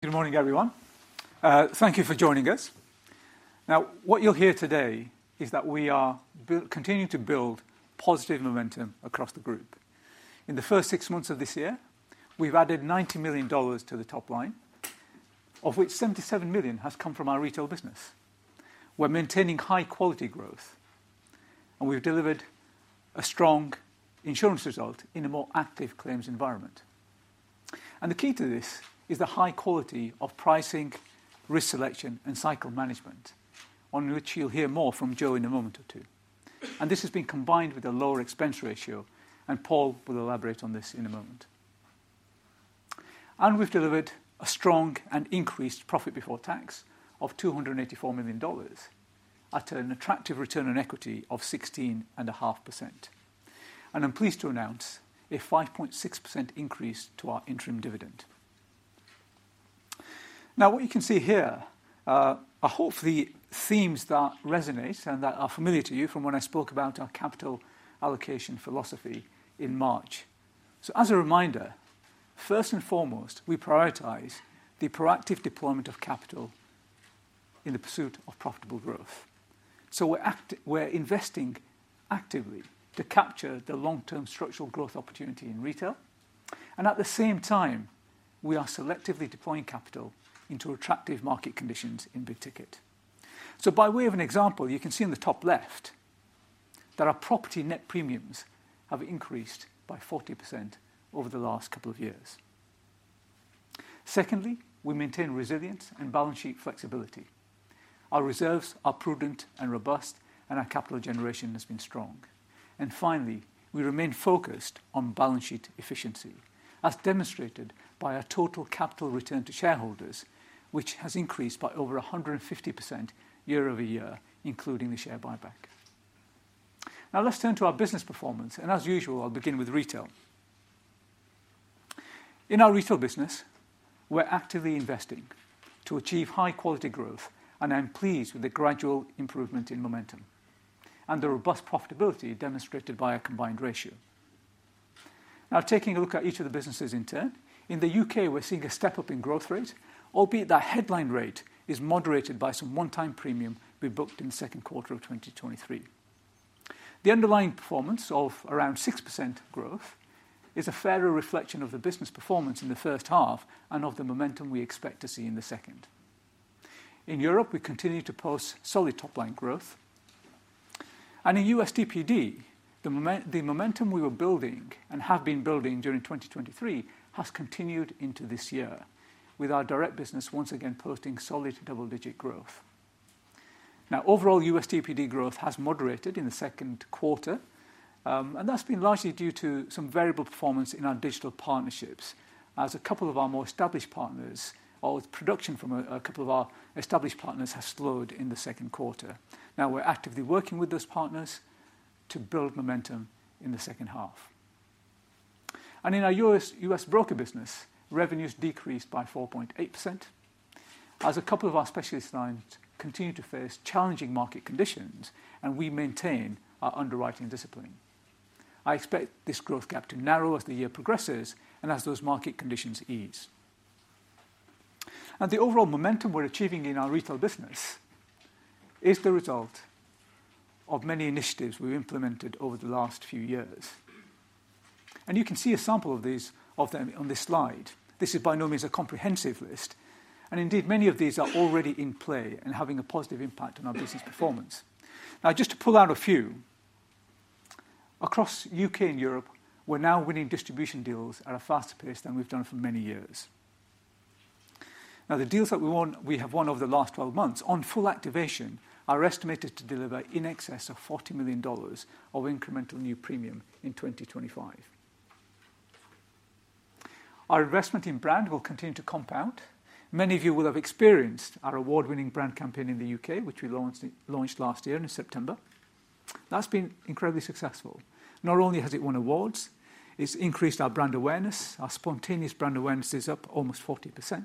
Good morning, everyone. Thank you for joining us. Now, what you'll hear today is that we are continuing to build positive momentum across the group. In the first six months of this year, we've added $90 million to the top line, of which $77 million has come from our retail business. We're maintaining high-quality growth, and we've delivered a strong insurance result in a more active claims environment. The key to this is the high quality of pricing, risk selection, and cycle management, on which you'll hear more from Joe in a moment or two. This has been combined with a lower expense ratio, and Paul will elaborate on this in a moment. We've delivered a strong and increased profit before tax of $284 million, at an attractive return on equity of 16.5%. I'm pleased to announce a 5.6% increase to our interim dividend. Now, what you can see here are hopefully themes that resonate and that are familiar to you from when I spoke about our capital allocation philosophy in March. So, as a reminder, first and foremost, we prioritize the proactive deployment of capital in the pursuit of profitable growth. So we're investing actively to capture the long-term structural growth opportunity in retail. And at the same time, we are selectively deploying capital into attractive market conditions in Big Ticket. So, by way of an example, you can see in the top left that our property net premiums have increased by 40% over the last couple of years. Secondly, we maintain resilience and balance sheet flexibility. Our reserves are prudent and robust, and our capital generation has been strong. Finally, we remain focused on balance sheet efficiency, as demonstrated by our total capital return to shareholders, which has increased by over 150% year-over-year, including the share buyback. Now, let's turn to our business performance. As usual, I'll begin with retail. In our retail business, we're actively investing to achieve high-quality growth, and I'm pleased with the gradual improvement in momentum and the robust profitability demonstrated by our combined ratio. Now, taking a look at each of the businesses in turn, in the U.K., we're seeing a step up in growth rate, albeit that headline rate is moderated by some one-time premium we booked in the second quarter of 2023. The underlying performance of around 6% growth is a fairer reflection of the business performance in the first half and of the momentum we expect to see in the second. In Europe, we continue to post solid top-line growth. In U.S. DPD, the momentum we were building and have been building during 2023 has continued into this year, with our direct business once again posting solid double-digit growth. Now, overall U.S. DPD growth has moderated in the second quarter, and that's been largely due to some variable performance in our digital partnerships, as a couple of our more established partners, or production from a couple of our established partners, has slowed in the second quarter. Now, we're actively working with those partners to build momentum in the second half. In our U.S. Broker business, revenues decreased by 4.8%, as a couple of our specialist lines continue to face challenging market conditions, and we maintain our underwriting discipline. I expect this growth gap to narrow as the year progresses and as those market conditions ease. The overall momentum we're achieving in our retail business is the result of many initiatives we've implemented over the last few years. You can see a sample of these on this slide. This is by no means a comprehensive list. Indeed, many of these are already in play and having a positive impact on our business performance. Now, just to pull out a few, across the U.K. and Europe, we're now winning distribution deals at a faster pace than we've done for many years. Now, the deals that we have won over the last 12 months, on full activation, are estimated to deliver in excess of $40 million of incremental new premium in 2025. Our investment in brand will continue to compound. Many of you will have experienced our award-winning brand campaign in the U.K., which we launched last year in September. That's been incredibly successful. Not only has it won awards, it's increased our brand awareness. Our spontaneous brand awareness is up almost 40%,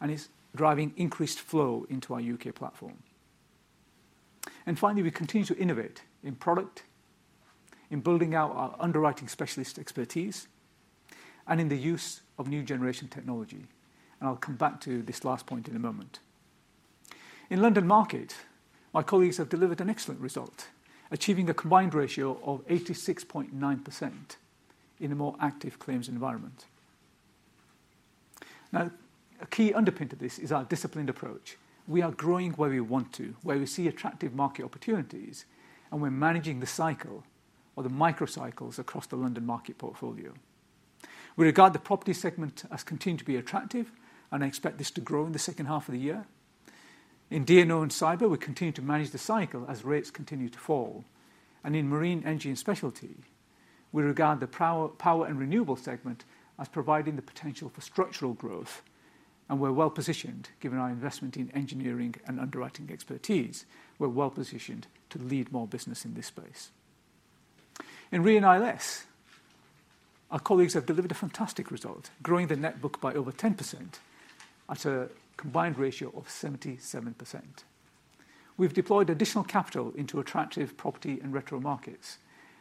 and it's driving increased flow into our U.K. platform. Finally, we continue to innovate in product, in building out our underwriting specialist expertise, and in the use of new generation technology. I'll come back to this last point in a moment. In London Market, my colleagues have delivered an excellent result, achieving a combined ratio of 86.9% in a more active claims environment. Now, a key underpin to this is our disciplined approach. We are growing where we want to, where we see attractive market opportunities, and we're managing the cycle or the microcycles across the London Market portfolio. We regard the property segment as continuing to be attractive, and I expect this to grow in the second half of the year. In D&O and cyber, we continue to manage the cycle as rates continue to fall. In Marine Energy Specialty, we regard the power and renewable segment as providing the potential for structural growth. And we're well positioned, given our investment in engineering and underwriting expertise, we're well positioned to lead more business in this space. In Re & ILS, our colleagues have delivered a fantastic result, growing the net book by over 10% at a combined ratio of 77%. We've deployed additional capital into attractive property and retro markets,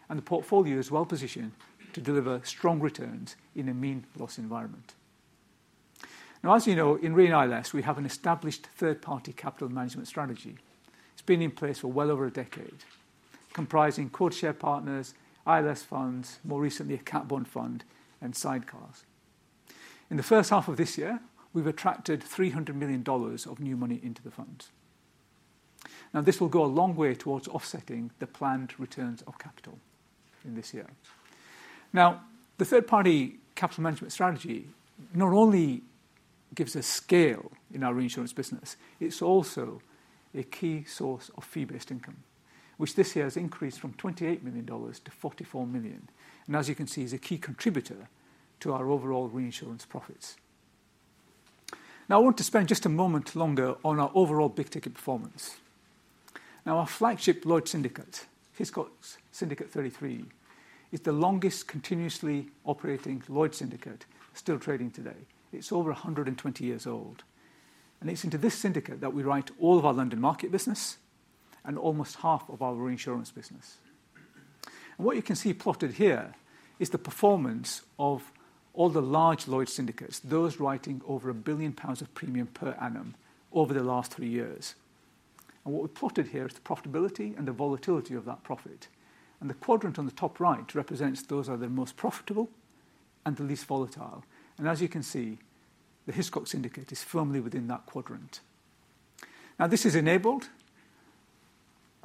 and the portfolio is well positioned to deliver strong returns in a benign loss environment. Now, as you know, in Re & ILS, we have an established third-party capital management strategy. It's been in place for well over a decade, comprising quota share partners, ILS funds, more recently a catastrophe bond fund, and sidecars. In the first half of this year, we've attracted $300 million of new money into the funds. Now, this will go a long way toward offsetting the planned returns of capital in this year. Now, the third-party capital management strategy not only gives us scale in our reinsurance business, it's also a key source of fee-based income, which this year has increased from $28 million to $44 million. And as you can see, it's a key contributor to our overall reinsurance profits. Now, I want to spend just a moment longer on our overall Big Ticket performance. Now, our flagship Lloyd's syndicate, Hiscox Syndicate 33, is the longest continuously operating Lloyd's syndicate still trading today. It's over 120 years old. And it's into this syndicate that we write all of our London Market business and almost half of our reinsurance business. What you can see plotted here is the performance of all the large Lloyd's syndicates, those writing over 1 billion pounds of premium per annum over the last three years. What we plotted here is the profitability and the volatility of that profit. The quadrant on the top right represents those that are the most profitable and the least volatile. And as you can see, the Hiscox syndicate is firmly within that quadrant. Now, this is enabled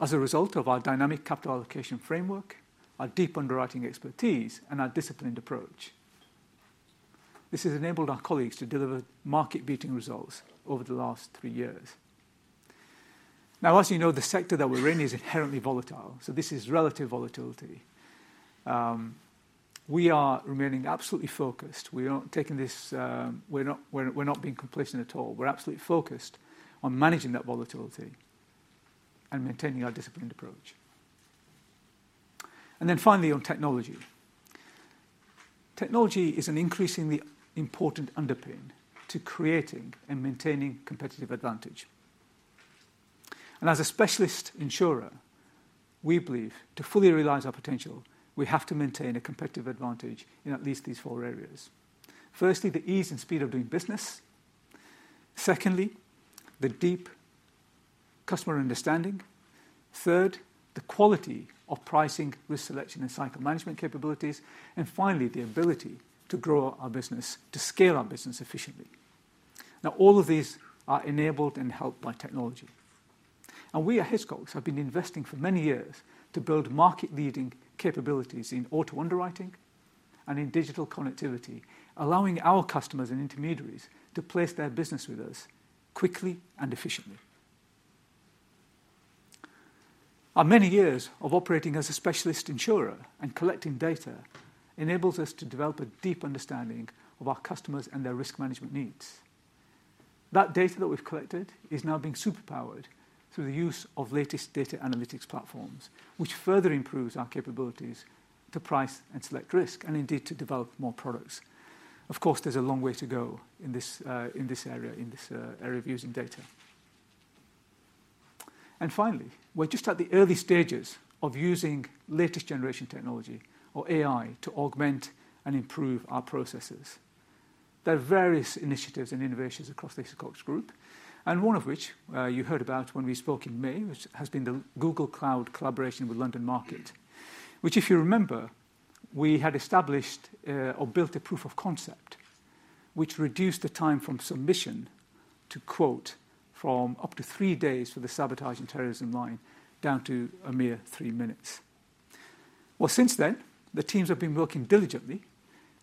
as a result of our dynamic capital allocation framework, our deep underwriting expertise, and our disciplined approach. This has enabled our colleagues to deliver market-beating results over the last three years. Now, as you know, the sector that we're in is inherently volatile. This is relative volatility. We are remaining absolutely focused. We aren't taking this. We're not being complacent at all. We're absolutely focused on managing that volatility and maintaining our disciplined approach. Then finally, on technology. Technology is an increasingly important underpin to creating and maintaining competitive advantage. As a specialist insurer, we believe to fully realize our potential, we have to maintain a competitive advantage in at least these four areas. Firstly, the ease and speed of doing business. Secondly, the deep customer understanding. Third, the quality of pricing, risk selection, and cycle management capabilities. Finally, the ability to grow our business, to scale our business efficiently. Now, all of these are enabled and helped by technology. We at Hiscox have been investing for many years to build market-leading capabilities in auto underwriting and in digital connectivity, allowing our customers and intermediaries to place their business with us quickly and efficiently. Our many years of operating as a specialist insurer and collecting data enables us to develop a deep understanding of our customers and their risk management needs. That data that we've collected is now being superpowered through the use of latest data analytics platforms, which further improves our capabilities to price and select risk, and indeed to develop more products. Of course, there's a long way to go in this area, in this area of using data. And finally, we're just at the early stages of using latest generation technology, or AI, to augment and improve our processes. There are various initiatives and innovations across the Hiscox group, and one of which you heard about when we spoke in May, which has been the Google Cloud collaboration with London Market, which, if you remember, we had established or built a proof of concept which reduced the time from submission to quote from up to three days for the Sabotage and Terrorism line down to a mere three minutes. Well, since then, the teams have been working diligently,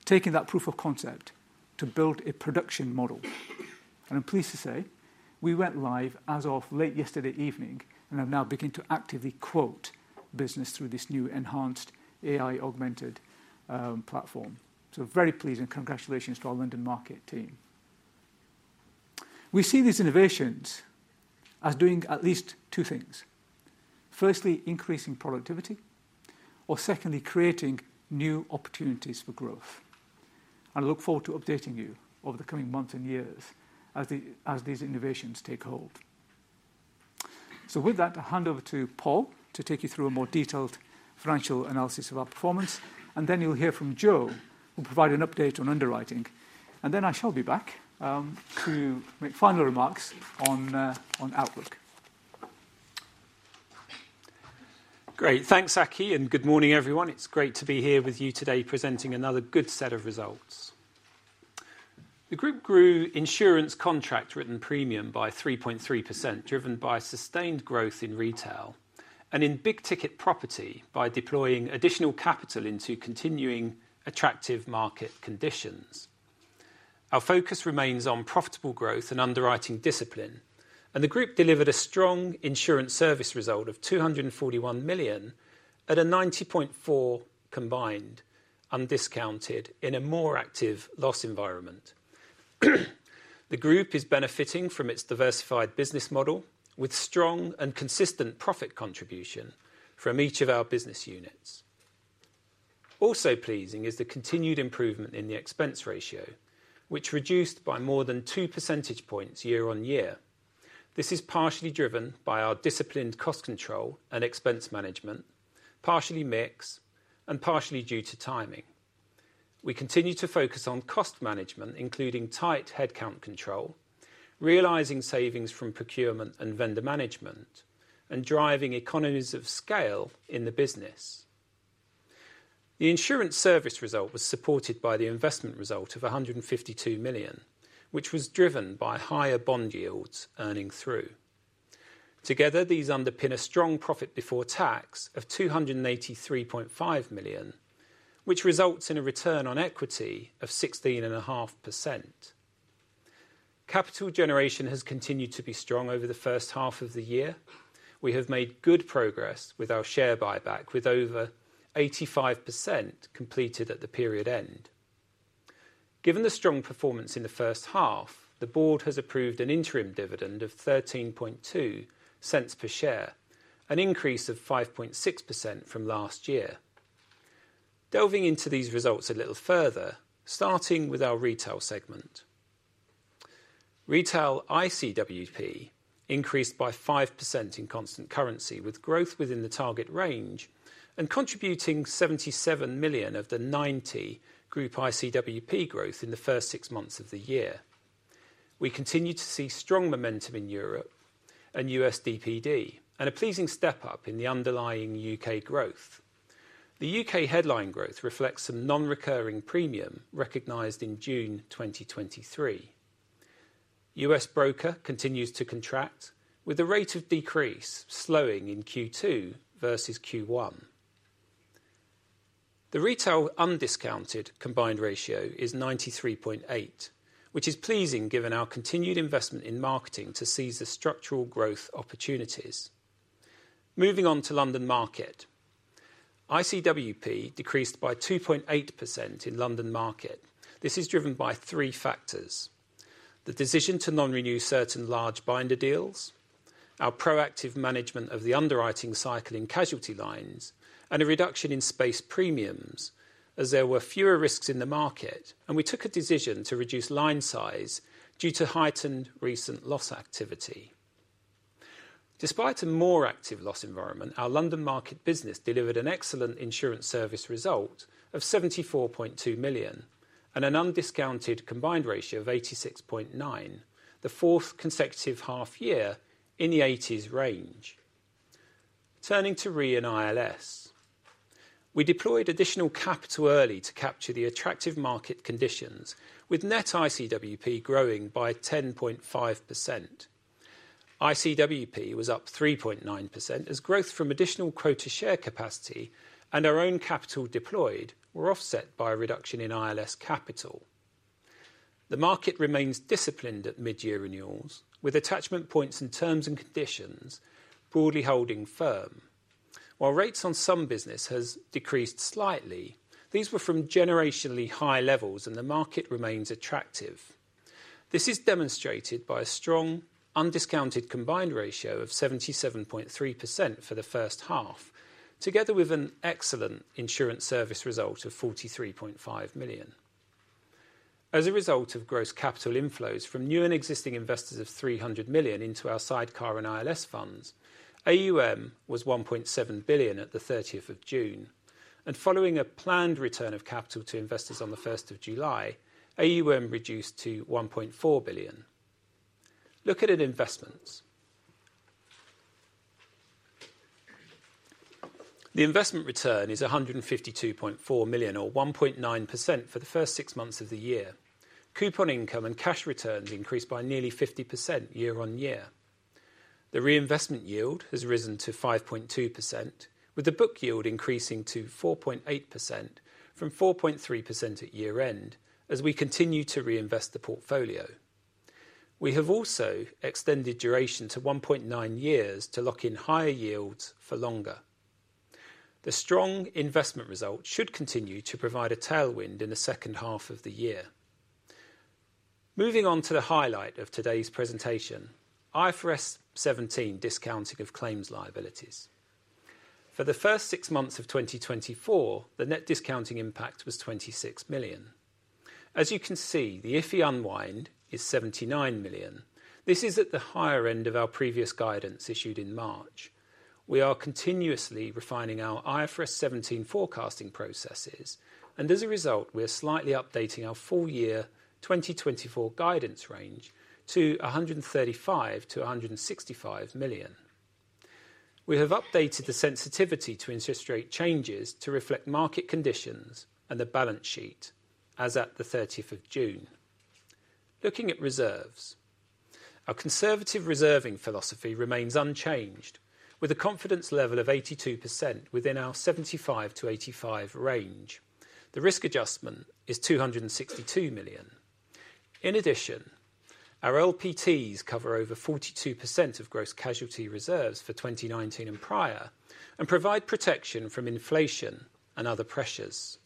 taking that proof of concept to build a production model. I'm pleased to say we went live as of late yesterday evening and have now begun to actively quote business through this new enhanced AI augmented platform. So very pleased and congratulations to our London Market team. We see these innovations as doing at least two things. Firstly, increasing productivity, or secondly, creating new opportunities for growth. And I look forward to updating you over the coming months and years as these innovations take hold. So with that, I'll hand over to Paul to take you through a more detailed financial analysis of our performance. Then you'll hear from Joe, who will provide an update on underwriting. Then I shall be back to make final remarks on Outlook. Great. Thanks, Aki. Good morning, everyone. It's great to be here with you today presenting another good set of results. The group grew insurance contract written premium by 3.3%, driven by sustained growth in retail and in big ticket property by deploying additional capital into continuing attractive market conditions. Our focus remains on profitable growth and underwriting discipline. The group delivered a strong insurance service result of $241 million at a 90.4% combined undiscounted in a more active loss environment. The group is benefiting from its diversified business model with strong and consistent profit contribution from each of our business units. Also pleasing is the continued improvement in the expense ratio, which reduced by more than two percentage points year-on-year. This is partially driven by our disciplined cost control and expense management, partially mix, and partially due to timing. We continue to focus on cost management, including tight headcount control, realizing savings from procurement and vendor management, and driving economies of scale in the business. The insurance service result was supported by the investment result of $152 million, which was driven by higher bond yields earning through. Together, these underpin a strong profit before tax of $283.5 million, which results in a return on equity of 16.5%. Capital generation has continued to be strong over the first half of the year. We have made good progress with our share buyback, with over 85% completed at the period end. Given the strong performance in the first half, the board has approved an interim dividend of 13.2 cents per share, an increase of 5.6% from last year. Delving into these results a little further, starting with our retail segment. Retail ICWP increased by 5% in constant currency, with growth within the target range and contributing $77 million of the $90 million group ICWP growth in the first six months of the year. We continue to see strong momentum in Europe and U.S. DPD, and a pleasing step up in the underlying U.K. growth. The U.K. headline growth reflects some non-recurring premium recognized in June 2023. U.S. Broker continues to contract, with the rate of decrease slowing in Q2 versus Q1. The retail undiscounted combined ratio is 93.8%, which is pleasing given our continued investment in marketing to seize the structural growth opportunities. Moving on to London Market, ICWP decreased by 2.8% in London Market. This is driven by three factors: the decision to non-renew certain large binder deals, our proactive management of the underwriting cycle in casualty lines, and a reduction in space premiums as there were fewer risks in the market. We took a decision to reduce line size due to heightened recent loss activity. Despite a more active loss environment, our London Market business delivered an excellent insurance service result of $74.2 million and an undiscounted combined ratio of 86.9%, the fourth consecutive half year in the 80s range. Turning to Re & ILS, we deployed additional capital early to capture the attractive market conditions, with net ICWP growing by 10.5%. ICWP was up 3.9% as growth from additional quota share capacity and our own capital deployed were offset by a reduction in ILS capital. The market remains disciplined at mid-year renewals, with attachment points and terms and conditions broadly holding firm. While rates on some business have decreased slightly, these were from generationally high levels, and the market remains attractive. This is demonstrated by a strong undiscounted combined ratio of 77.3% for the first half, together with an excellent insurance service result of $43.5 million. As a result of gross capital inflows from new and existing investors of $300 million into our sidecar and ILS funds, AUM was $1.7 billion at the 30th of June. Following a planned return of capital to investors on the 1st of July, AUM reduced to $1.4 billion. Look at investments. The investment return is $152.4 million, or 1.9% for the first six months of the year. Coupon income and cash returns increased by nearly 50% year-over-year. The reinvestment yield has risen to 5.2%, with the book yield increasing to 4.8% from 4.3% at year-end as we continue to reinvest the portfolio. We have also extended duration to 1.9 years to lock in higher yields for longer. The strong investment result should continue to provide a tailwind in the second half of the year. Moving on to the highlight of today's presentation, IFRS 17 discounting of claims liabilities. For the first six months of 2024, the net discounting impact was $26 million. As you can see, the IFI unwind is $79 million. This is at the higher end of our previous guidance issued in March. We are continuously refining our IFRS 17 forecasting processes, and as a result, we are slightly updating our full year 2024 guidance range to $135 million-$165 million. We have updated the sensitivity to interest rate changes to reflect market conditions and the balance sheet as at the 30th of June. Looking at reserves, our conservative reserving philosophy remains unchanged, with a confidence level of 82% within our 75%-85% range. The risk adjustment is $262 million. In addition, our LPTs cover over 42% of gross casualty reserves for 2019 and prior and provide protection from inflation and other pressures.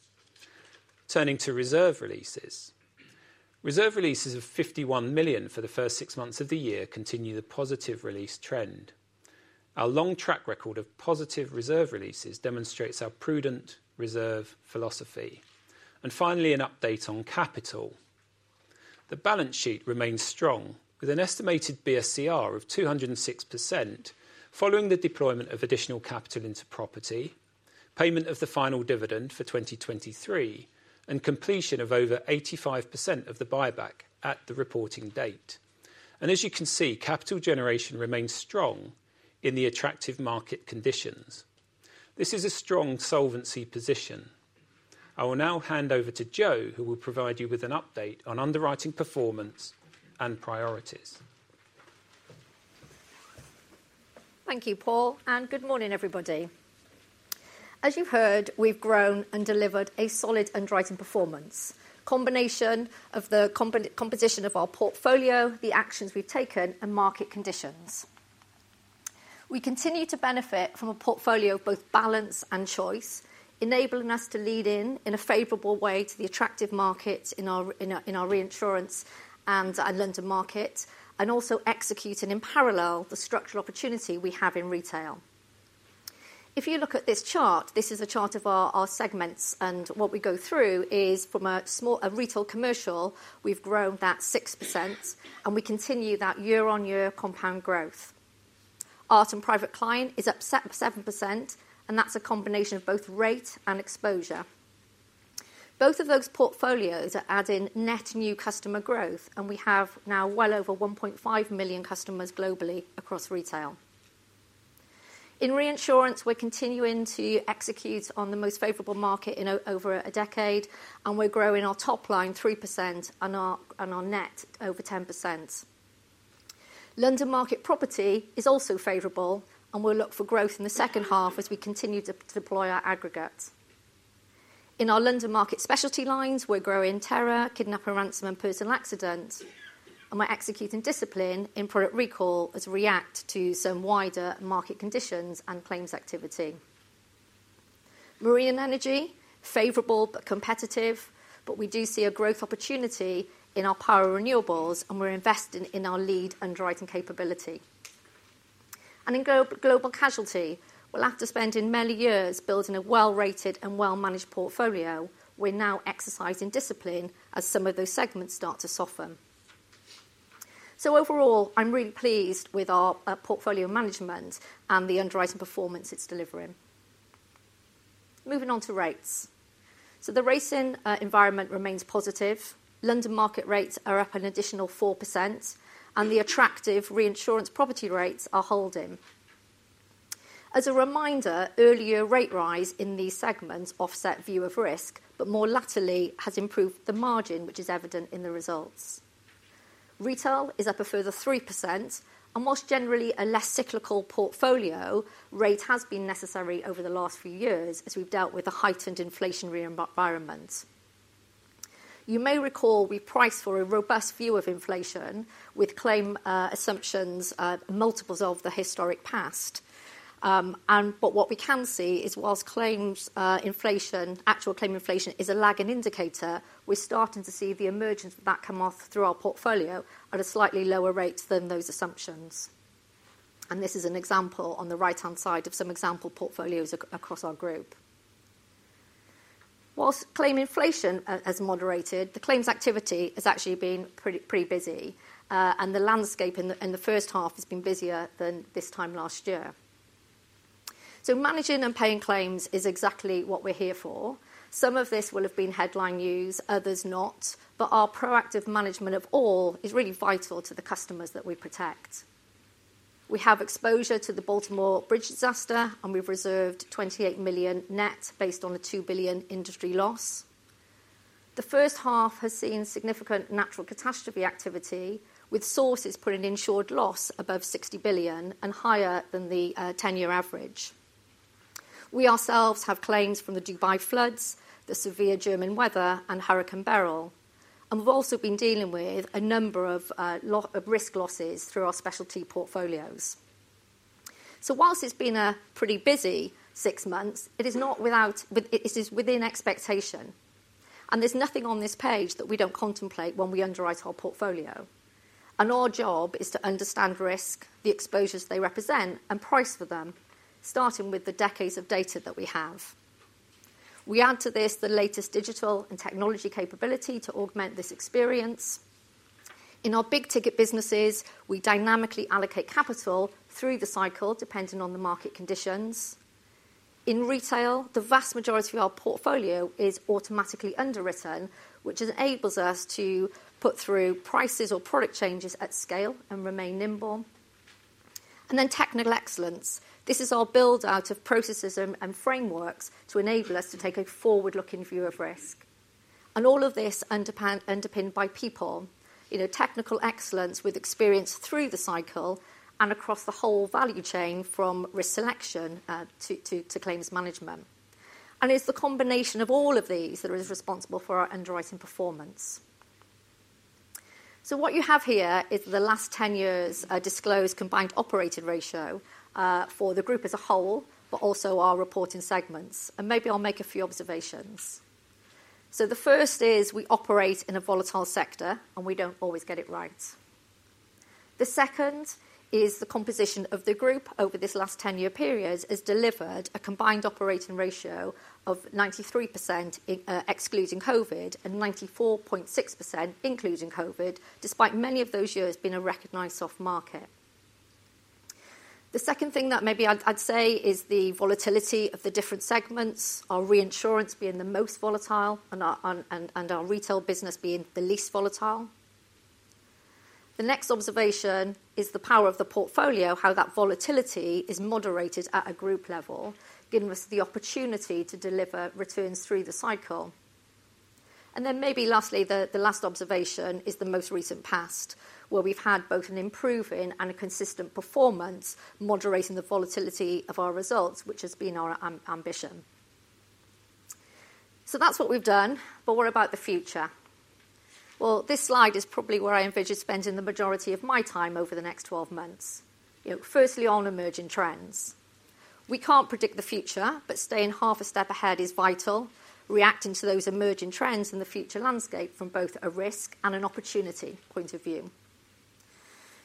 Turning to reserve releases, reserve releases of $51 million for the first six months of the year continue the positive release trend. Our long track record of positive reserve releases demonstrates our prudent reserve philosophy. And finally, an update on capital. The balance sheet remains strong, with an estimated BSCR of 206% following the deployment of additional capital into property, payment of the final dividend for 2023, and completion of over 85% of the buyback at the reporting date. And as you can see, capital generation remains strong in the attractive market conditions. This is a strong solvency position. I will now hand over to Joe, who will provide you with an update on underwriting performance and priorities. Thank you, Paul, and good morning, everybody. As you've heard, we've grown and delivered a solid underwriting performance, a combination of the composition of our portfolio, the actions we've taken, and market conditions. We continue to benefit from a portfolio of both balance and choice, enabling us to lead in a favorable way to the attractive market in our reinsurance and our London Market, and also execute, and in parallel, the structural opportunity we have in retail. If you look at this chart, this is a chart of our segments, and what we go through is from a small retail commercial, we've grown that 6%, and we continue that year-on-year compound growth. Art and Private Client is up 7%, and that's a combination of both rate and exposure. Both of those portfolios are adding net new customer growth, and we have now well over 1.5 million customers globally across retail. In reinsurance, we're continuing to execute on the most favorable market in over a decade, and we're growing our top line 3% and our net over 10%. London Market property is also favorable, and we'll look for growth in the second half as we continue to deploy our aggregates. In our London Market specialty lines, we're growing terror, kidnapping, ransom, and personal accidents, and we're executing discipline in product recall as we react to some wider market conditions and claims activity. Marine energy, favorable but competitive, but we do see a growth opportunity in our power renewables, and we're investing in our lead underwriting capability. In global casualty, we've spent many years building a well-rated and well-managed portfolio. We're now exercising discipline as some of those segments start to soften. So overall, I'm really pleased with our portfolio management and the underwriting performance it's delivering. Moving on to rates. The rating environment remains positive. London Market rates are up an additional 4%, and the attractive reinsurance property rates are holding. As a reminder, earlier rate rise in these segments offset view of risk, but more laterally has improved the margin, which is evident in the results. Retail is up a further 3%, and whilst generally a less cyclical portfolio, rate has been necessary over the last few years as we've dealt with a heightened inflationary environment. You may recall we priced for a robust view of inflation with claim assumptions multiples of the historic past. But what we can see is whilst claims inflation, actual claim inflation is a lagging indicator, we're starting to see the emergence of that come off through our portfolio at a slightly lower rate than those assumptions. And this is an example on the right-hand side of some example portfolios across our group. While claim inflation has moderated, the claims activity has actually been pretty busy, and the landscape in the first half has been busier than this time last year. So managing and paying claims is exactly what we're here for. Some of this will have been headline news, others not, but our proactive management of all is really vital to the customers that we protect. We have exposure to the Baltimore bridge disaster, and we've reserved $28 million net based on the $2 billion industry loss. The first half has seen significant natural catastrophe activity, with sources putting insured loss above $60 billion and higher than the 10-year average. We ourselves have claims from the Dubai floods, the severe German weather, and Hurricane Beryl, and we've also been dealing with a number of risk losses through our specialty portfolios. So whilst it's been a pretty busy six months, it is not without, but it is within expectation, and there's nothing on this page that we don't contemplate when we underwrite our portfolio. Our job is to understand risk, the exposures they represent, and price for them, starting with the decades of data that we have. We add to this the latest digital and technology capability to augment this experience. In our big ticket businesses, we dynamically allocate capital through the cycle depending on the market conditions. In retail, the vast majority of our portfolio is automatically underwritten, which enables us to put through prices or product changes at scale and remain nimble. Then technical excellence. This is our build-out of processes and frameworks to enable us to take a forward-looking view of risk. And all of this underpinned by people, you know, technical excellence with experience through the cycle and across the whole value chain from risk selection to claims management. And it's the combination of all of these that is responsible for our underwriting performance. So what you have here is the last 10 years' disclosed combined operating ratio for the group as a whole, but also our reporting segments. And maybe I'll make a few observations. So the first is we operate in a volatile sector, and we don't always get it right. The second is the composition of the group over this last 10-year period has delivered a combined operating ratio of 93% excluding COVID and 94.6% including COVID, despite many of those years being a recognized soft market. The second thing that maybe I'd say is the volatility of the different segments, our reinsurance being the most volatile and our retail business being the least volatile. The next observation is the power of the portfolio, how that volatility is moderated at a group level, giving us the opportunity to deliver returns through the cycle. And then maybe lastly, the last observation is the most recent past, where we've had both an improving and a consistent performance, moderating the volatility of our results, which has been our ambition. So that's what we've done, but what about the future? Well, this slide is probably where I envision spending the majority of my time over the next 12 months, you know, firstly on emerging trends. We can't predict the future, but staying half a step ahead is vital, reacting to those emerging trends in the future landscape from both a risk and an opportunity point of view.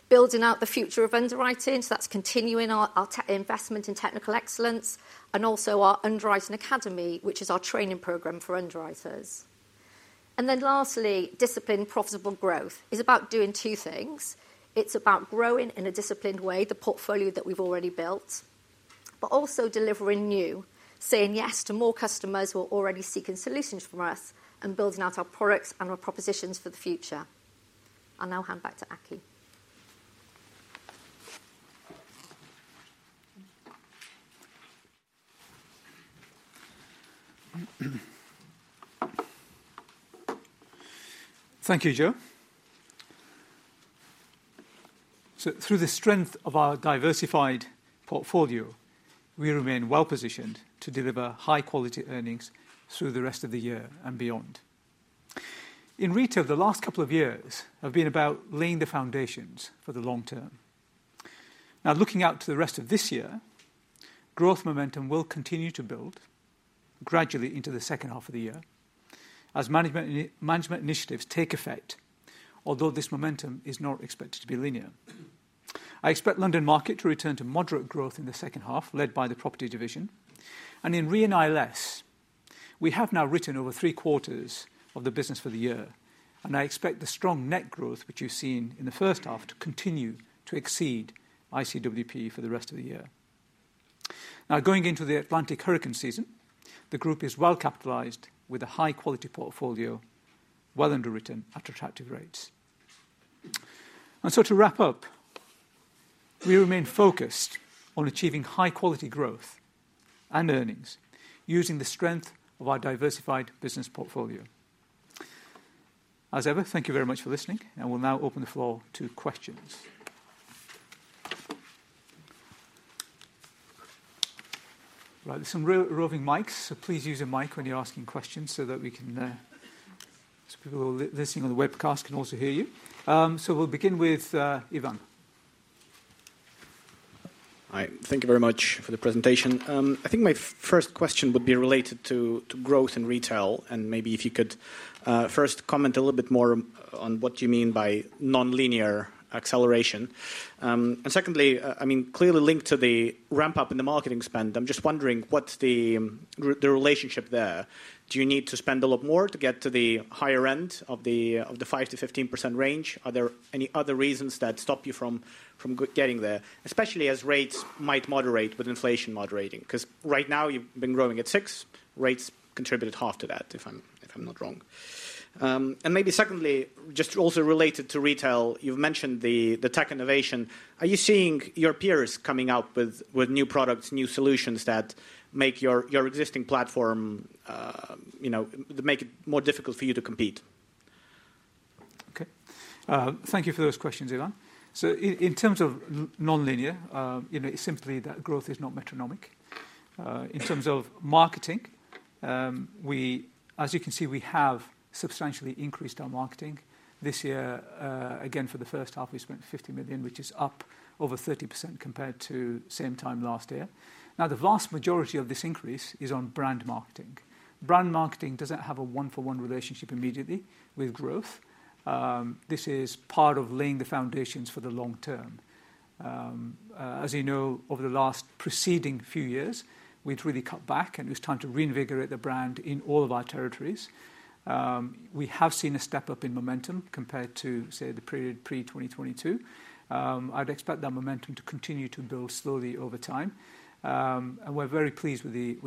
Building out the future of underwriting, so that's continuing our investment in technical excellence and also our underwriting academy, which is our training program for underwriters. And then lastly, disciplined profitable growth is about doing two things. It's about growing in a disciplined way, the portfolio that we've already built, but also delivering new, saying yes to more customers who are already seeking solutions from us and building out our products and our propositions for the future. I'll now hand back to Aki. Thank you, Joe. So through the strength of our diversified portfolio, we remain well positioned to deliver high-quality earnings through the rest of the year and beyond. In retail, the last couple of years have been about laying the foundations for the long term. Now, looking out to the rest of this year, growth momentum will continue to build gradually into the second half of the year as management initiatives take effect, although this momentum is not expected to be linear. I expect London Market to return to moderate growth in the second half, led by the property division, and in Re & ILS, we have now written over three quarters of the business for the year, and I expect the strong net growth, which you've seen in the first half, to continue to exceed ICWP for the rest of the year. Now, going into the Atlantic hurricane season, the group is well capitalized with a high-quality portfolio, well underwritten at attractive rates. And so to wrap up, we remain focused on achieving high-quality growth and earnings using the strength of our diversified business portfolio. As ever, thank you very much for listening, and we'll now open the floor to questions. Right, there's some roving mics, so please use a mic when you're asking questions so that we can, so people who are listening on the webcast can also hear you. So we'll begin with Ivan. Hi, thank you very much for the presentation. I think my first question would be related to growth in retail, and maybe if you could first comment a little bit more on what you mean by non-linear acceleration. And secondly, I mean, clearly linked to the ramp-up in the marketing spend, I'm just wondering what's the relationship there? Do you need to spend a lot more to get to the higher end of the 5%-15% range? Are there any other reasons that stop you from getting there, especially as rates might moderate with inflation moderating? Because right now you've been growing at 6%, rates contributed half to that, if I'm not wrong. Maybe secondly, just also related to retail, you've mentioned the tech innovation. Are you seeing your peers coming up with new products, new solutions that make your existing platform, you know, make it more difficult for you to compete? Okay, thank you for those questions, Ivan. So in terms of non-linear, you know, it's simply that growth is not metronomic. In terms of marketing, we, as you can see, we have substantially increased our marketing this year. Again, for the first half, we spent $50 million, which is up over 30% compared to the same time last year. Now, the vast majority of this increase is on brand marketing. Brand marketing doesn't have a one-for-one relationship immediately with growth. This is part of laying the foundations for the long term. As you know, over the last preceding few years, we've really cut back, and it's time to reinvigorate the brand in all of our territories. We have seen a step up in momentum compared to, say, the period pre-2022. I'd expect that momentum to continue to build slowly over time. And we're very pleased with the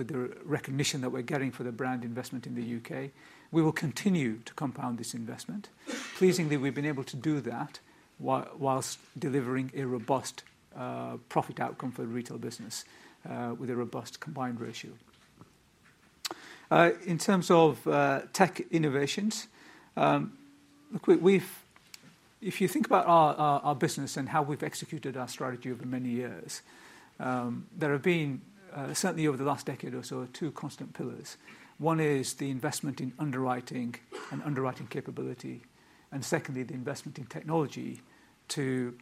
recognition that we're getting for the brand investment in the U.K. We will continue to compound this investment. Pleasingly, we've been able to do that while delivering a robust profit outcome for the retail business with a robust combined ratio. In terms of tech innovations, look, we've, if you think about our business and how we've executed our strategy over many years, there have been certainly over the last decade or so two constant pillars. One is the investment in underwriting and underwriting capability, and secondly, the investment in technology to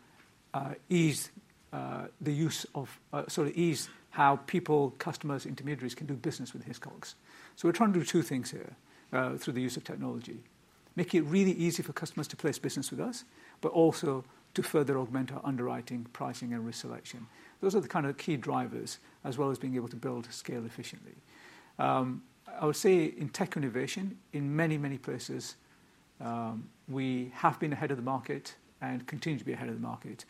ease the use of, sort of ease how people, customers, intermediaries can do business with Hiscox. So we're trying to do two things here through the use of technology: make it really easy for customers to place business with us, but also to further augment our underwriting, pricing, and risk selection. Those are the kind of key drivers, as well as being able to build scale efficiently. I would say in tech innovation, in many, many places, we have been ahead of the market and continue to be ahead of the market.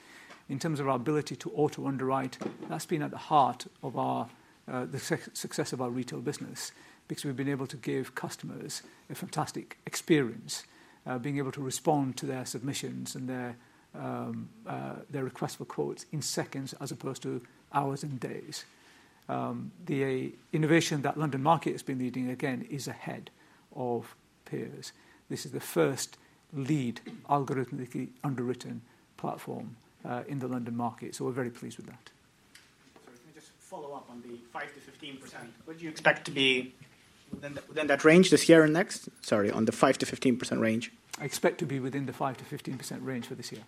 In terms of our ability to auto-underwrite, that's been at the heart of the success of our retail business because we've been able to give customers a fantastic experience, being able to respond to their submissions and their requests for quotes in seconds as opposed to hours and days. The innovation that London Market has been leading again is ahead of peers. This is the first lead algorithmically underwritten platform in the London Market, so we're very pleased with that. Sorry, can I just follow up on the 5%-15%? What do you expect to be then that range this year and next? Sorry, on the 5%-15% range? I expect to be within the 5%-15% range for this year.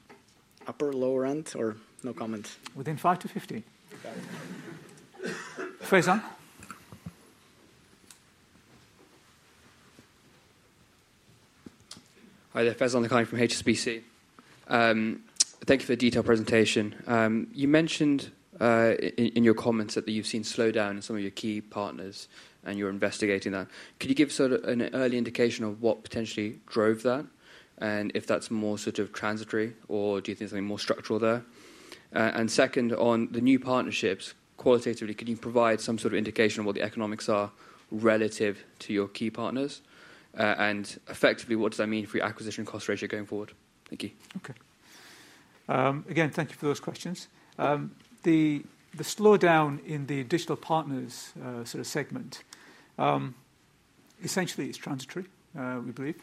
Upper or lower end or no comments? Within 5%-15%. Yeah. Faizan? Hi, Faizan Lakhani from HSBC. Thank you for the detailed presentation. You mentioned in your comments that you've seen slowdown in some of your key partners and you're investigating that. Could you give sort of an early indication of what potentially drove that and if that's more sort of transitory or do you think there's something more structural there? And second, on the new partnerships, qualitatively, can you provide some sort of indication of what the economics are relative to your key partners? And effectively, what does that mean for your acquisition cost ratio going forward? Thank you. Okay. Again, thank you for those questions. The slowdown in the digital partners sort of segment essentially is transitory, we believe.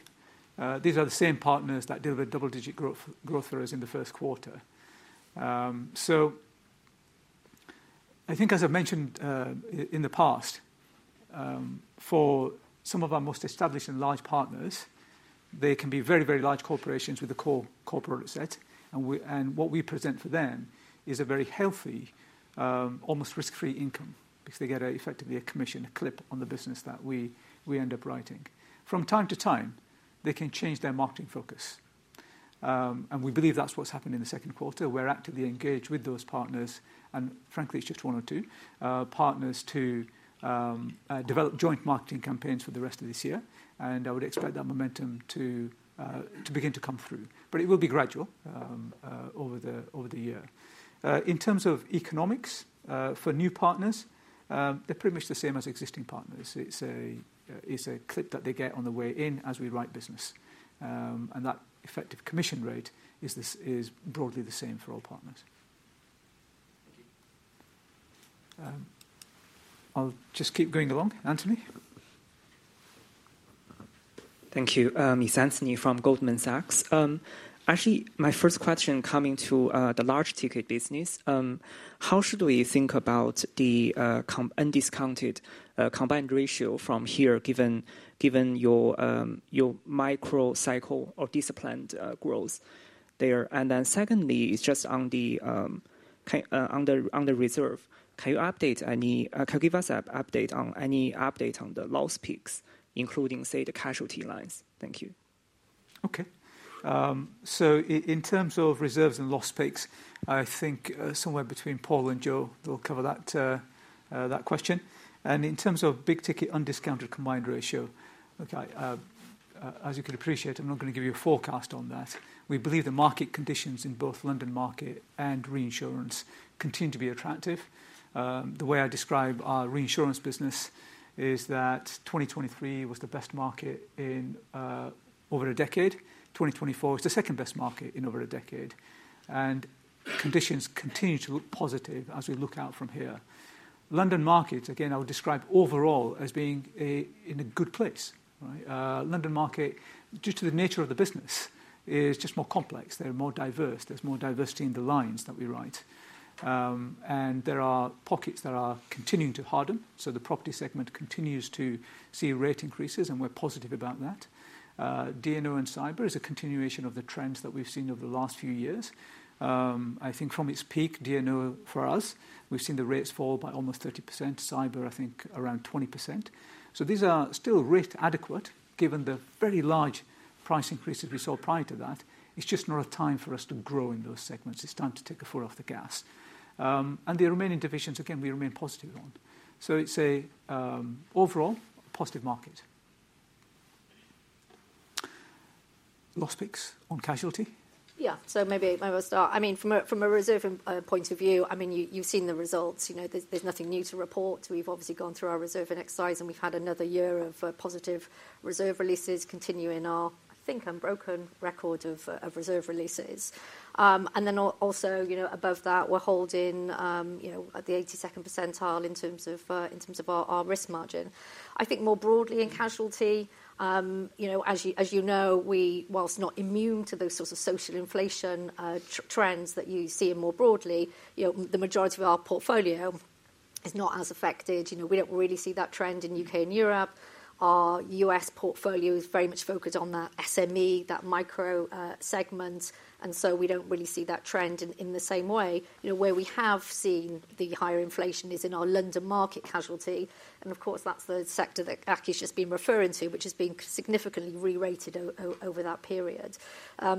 These are the same partners that delivered double-digit growth for us in the first quarter. So I think, as I've mentioned in the past, for some of our most established and large partners, they can be very, very large corporations with a core corporate asset, and what we present for them is a very healthy, almost risk-free income because they get effectively a commission, a clip on the business that we end up writing. From time to time, they can change their marketing focus, and we believe that's what's happened in the second quarter. We're actively engaged with those partners, and frankly, it's just one or two partners to develop joint marketing campaigns for the rest of this year, and I would expect that momentum to begin to come through, but it will be gradual over the year. In terms of economics for new partners, they're pretty much the same as existing partners. It's a clip that they get on the way in as we write business, and that effective commission rate is broadly the same for all partners. I'll just keep going along, Anthony. Thank you, It's Anthony from Goldman Sachs. Actually, my first question coming to the large ticket business: how should we think about the undiscounted combined ratio from here given your microcycle or disciplined growth there? And then secondly, it's just on the reserve. Can you update any, can you give us an update on any update on the loss peaks, including, say, the casualty lines? Thank you. Okay. So in terms of reserves and loss peaks, I think somewhere between Paul and Joe, they'll cover that question. And in terms of big ticket undiscounted combined ratio, okay, as you can appreciate, I'm not going to give you a forecast on that. We believe the market conditions in both London Market and reinsurance continue to be attractive. The way I describe our reinsurance business is that 2023 was the best market in over a decade. 2024 is the second best market in over a decade, and conditions continue to look positive as we look out from here. London Market, again, I would describe overall as being in a good place. London Market, due to the nature of the business, is just more complex. They're more diverse. There's more diversity in the lines that we write, and there are pockets that are continuing to harden. So the property segment continues to see rate increases, and we're positive about that. D&O and cyber is a continuation of the trends that we've seen over the last few years. I think from its peak, D&O for us, we've seen the rates fall by almost 30%. Cyber, I think around 20%. So these are still rate adequate given the very large price increases we saw prior to that. It's just not a time for us to grow in those segments. It's time to take a foot off the gas. And the remaining divisions, again, we remain positive on. So it's an overall positive market. Loss peaks on casualty? Yeah, so maybe I will start. I mean, from a reserve point of view, I mean, you've seen the results. You know, there's nothing new to report. We've obviously gone through our reserving exercise, and we've had another year of positive reserve releases continuing our, I think, unbroken record of reserve releases. And then also, you know, above that, we're holding the 82nd percentile in terms of our risk margin. I think more broadly in casualty, you know, as you know, we, whilst not immune to those sorts of social inflation trends that you see more broadly, you know, the majority of our portfolio is not as affected. You know, we don't really see that trend in the U.K. and Europe. Our U.S. portfolio is very much focused on that SME, that micro segment, and so we don't really see that trend in the same way. You know, where we have seen the higher inflation is in our London Market casualty, and of course, that's the sector that Aki has been referring to, which has been significantly re-rated over that period.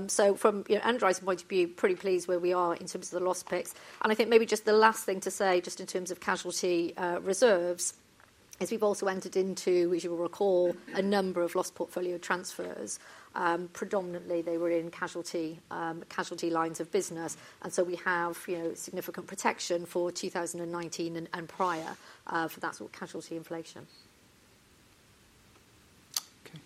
So from an underwriting point of view, pretty pleased where we are in terms of the loss picks. And I think maybe just the last thing to say, just in terms of casualty reserves, is we've also entered into, as you will recall, a number of loss portfolio transfers. Predominantly, they were in casualty lines of business, and so we have significant protection for 2019 and prior for that sort of casualty inflation. Okay.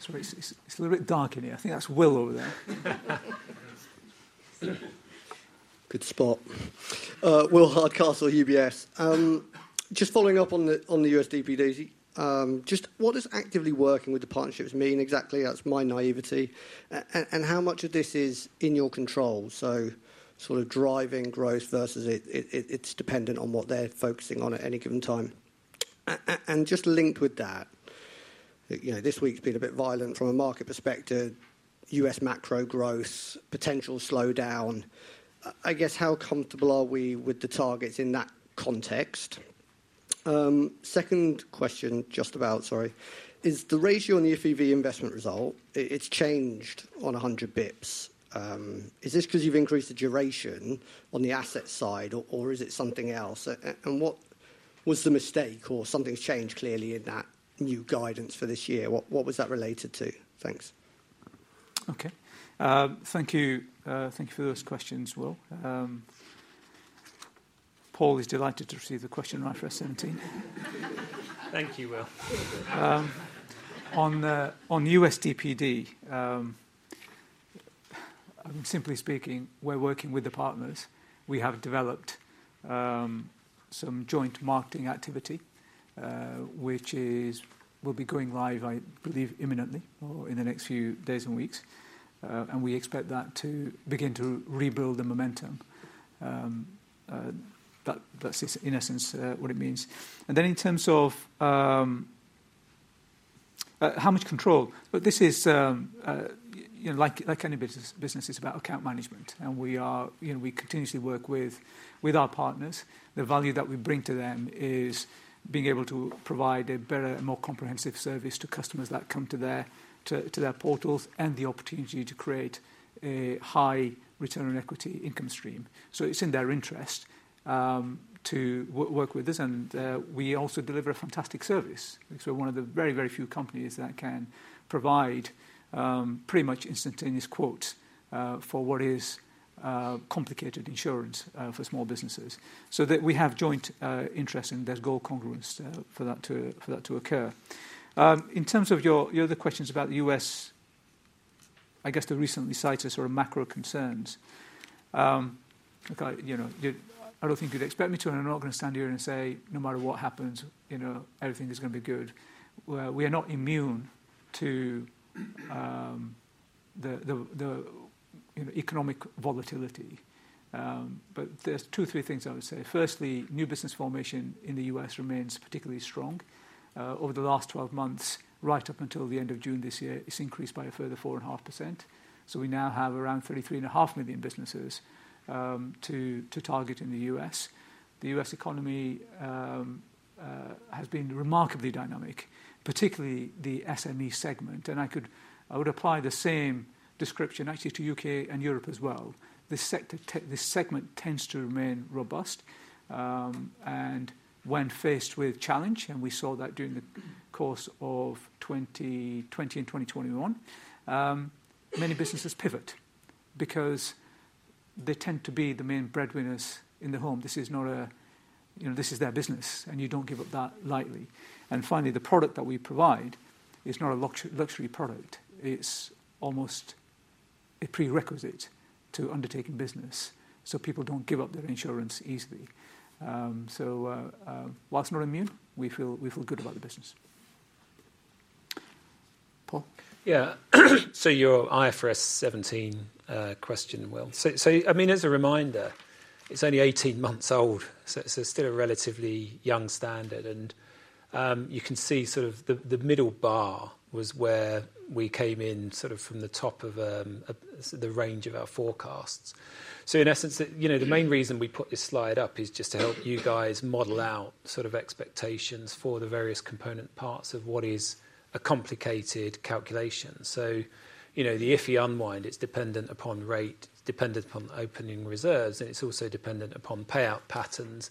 Sorry, it's a little bit dark in here. I think that's Will over there. Good spot. Will Hardcastle, UBS. Just following up on the U.S. DPD, just what does actively working with the partnerships mean exactly? That's my naivety. And how much of this is in your control? So sort of driving growth versus it's dependent on what they're focusing on at any given time? And just linked with that, you know, this week's been a bit violent from a market perspective. U.S. macro growth, potential slowdown. I guess how comfortable are we with the targets in that context? Second question just about, sorry, is the ratio on the FEV investment result, it's changed by 100 basis points. Is this because you've increased the duration on the asset side, or is it something else? And what was the mistake, or something's changed clearly in that new guidance for this year? What was that related to? Thanks. Okay. Thank you. Thank you for those questions, Will. Paul is delighted to receive the question after IFRS 17. Thank you, Will. On the U.S. DPD, simply speaking, we're working with the partners. We have developed some joint marketing activity, which will be going live, I believe, imminently or in the next few days and weeks. And we expect that to begin to rebuild the momentum. That's in essence what it means. And then in terms of how much control, but this is, you know, like any business, it's about account management. And we are, you know, we continuously work with our partners. The value that we bring to them is being able to provide a better and more comprehensive service to customers that come to their portals and the opportunity to create a high return on equity income stream. So it's in their interest to work with us. And we also deliver a fantastic service. We're one of the very, very few companies that can provide pretty much instantaneous quote for what is complicated insurance for small businesses. So that we have joint interest and there's goal congruence for that to occur. In terms of your other questions about the U.S., I guess, too, recent site-specific or macro concerns, you know, I don't think you'd expect me to, and I'm not going to stand here and say, no matter what happens, you know, everything is going to be good. We are not immune to the economic volatility. But there's two, three things I would say. Firstly, new business formation in the U.S. remains particularly strong. Over the last 12 months, right up until the end of June this year, it's increased by a further 4.5%. So we now have around 33.5 million businesses to target in the U.S. The U.S. economy has been remarkably dynamic, particularly the SME segment. And I would apply the same description actually to U.K. and Europe as well. This segment tends to remain robust. And when faced with challenge, and we saw that during the course of 2020 and 2021, many businesses pivot because they tend to be the main breadwinners in the home. This is not a, you know, this is their business, and you don't give up that lightly. And finally, the product that we provide is not a luxury product. It's almost a prerequisite to undertaking business. So people don't give up their insurance easily. So while it's not immune, we feel good about the business. Paul? Yeah. So your IFRS 17 question, Will. So I mean, as a reminder, it's only 18 months old. So it's still a relatively young standard. And you can see sort of the middle bar was where we came in sort of from the top of the range of our forecasts. So in essence, you know, the main reason we put this slide up is just to help you guys model out sort of expectations for the various component parts of what is a complicated calculation. So, you know, the IFI unwind, it's dependent upon rate, it's dependent upon opening reserves, and it's also dependent upon payout patterns.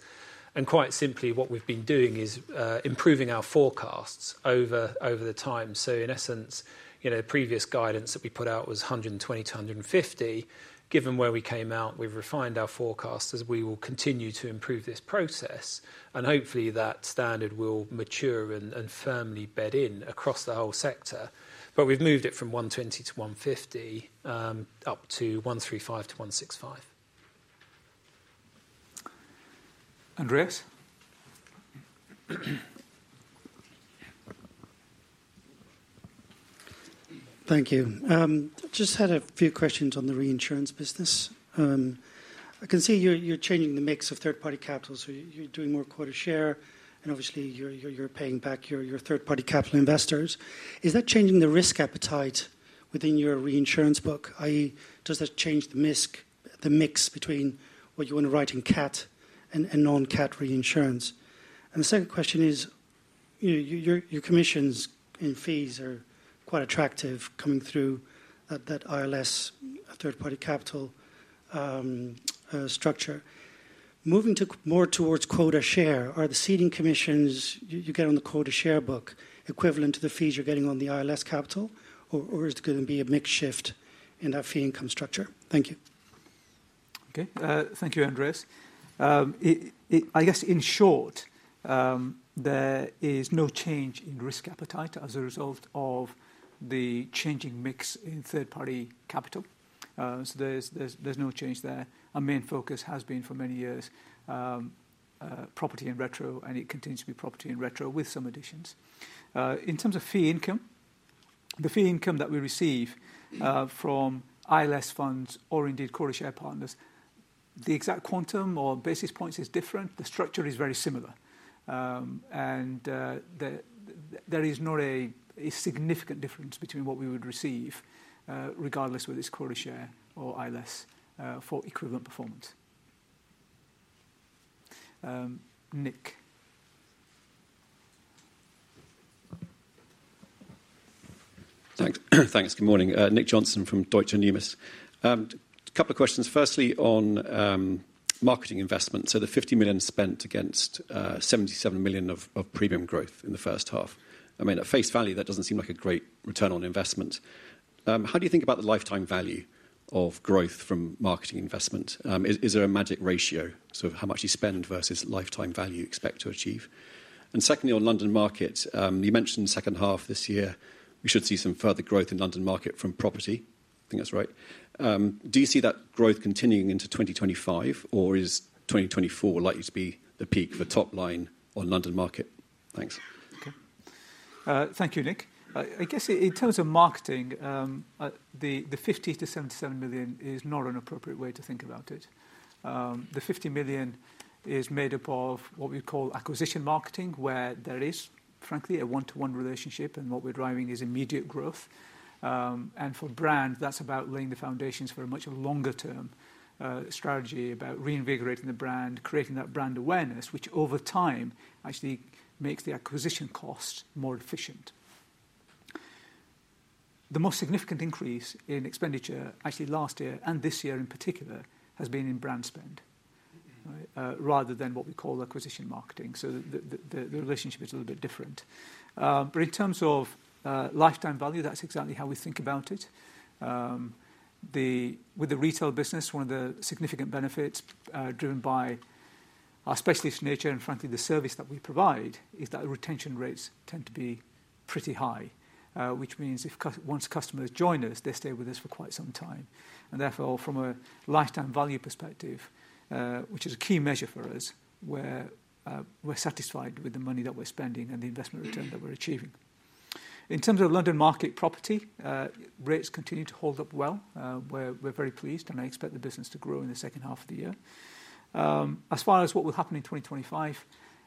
And quite simply, what we've been doing is improving our forecasts over time. So in essence, you know, the previous guidance that we put out was $120-$150. Given where we came out, we've refined our forecasts as we will continue to improve this process. And hopefully that standard will mature and firmly bed in across the whole sector. But we've moved it from $120-$150 up to $135-$165. Andreas? Thank you. Just had a few questions on the reinsurance business. I can see you're changing the mix of third-party capitals. You're doing more quota share, and obviously you're paying back your third-party capital investors. Is that changing the risk appetite within your reinsurance book? i.e., does that change the mix between what you want to write in CAT and non-CAT reinsurance? And the second question is, your commissions and fees are quite attractive coming through that ILS third-party capital structure. Moving more towards quota share, are the ceding commissions you get on the quota share book equivalent to the fees you're getting on the ILS capital, or is it going to be a mixed shift in that fee income structure? Thank you. Okay. Thank you, Andreas. I guess in short, there is no change in risk appetite as a result of the changing mix in third-party capital. So there's no change there. Our main focus has been for many years property and retro, and it continues to be property and retro with some additions. In terms of fee income, the fee income that we receive from ILS funds or indeed quota share partners, the exact quantum or basis points is different. The structure is very similar. And there is not a significant difference between what we would receive regardless whether it's quota share or ILS for equivalent performance. Nick. Thanks. Thanks. Good morning. Nick Johnson from Deutsche Numis. A couple of questions. Firstly, on marketing investment. So the $50 million spent against $77 million of premium growth in the first half. I mean, at face value, that doesn't seem like a great return on investment. How do you think about the lifetime value of growth from marketing investment? Is there a magic ratio? So how much you spend versus lifetime value you expect to achieve? And secondly, on London Market, you mentioned second half this year, we should see some further growth in London Market from property. I think that's right. Do you see that growth continuing into 2025, or is 2024 likely to be the peak of a top line on London Market? Thanks. Okay. Thank you, Nick. I guess in terms of marketing, the $50 million-$77 million is not an appropriate way to think about it. The $50 million is made up of what we call acquisition marketing, where there is, frankly, a one-to-one relationship, and what we're driving is immediate growth. And for brands, that's about laying the foundations for a much longer-term strategy about reinvigorating the brand, creating that brand awareness, which over time actually makes the acquisition cost more efficient. The most significant increase in expenditure actually last year and this year in particular has been in brand spend, rather than what we call acquisition marketing. So the relationship is a little bit different. But in terms of lifetime value, that's exactly how we think about it. With the retail business, one of the significant benefits driven by our specialist nature and frankly the service that we provide is that retention rates tend to be pretty high, which means if once customers join us, they stay with us for quite some time. And therefore, from a lifetime value perspective, which is a key measure for us, we're satisfied with the money that we're spending and the investment return that we're achieving. In terms of London Market property, rates continue to hold up well. We're very pleased, and I expect the business to grow in the second half of the year. As far as what will happen in 2025,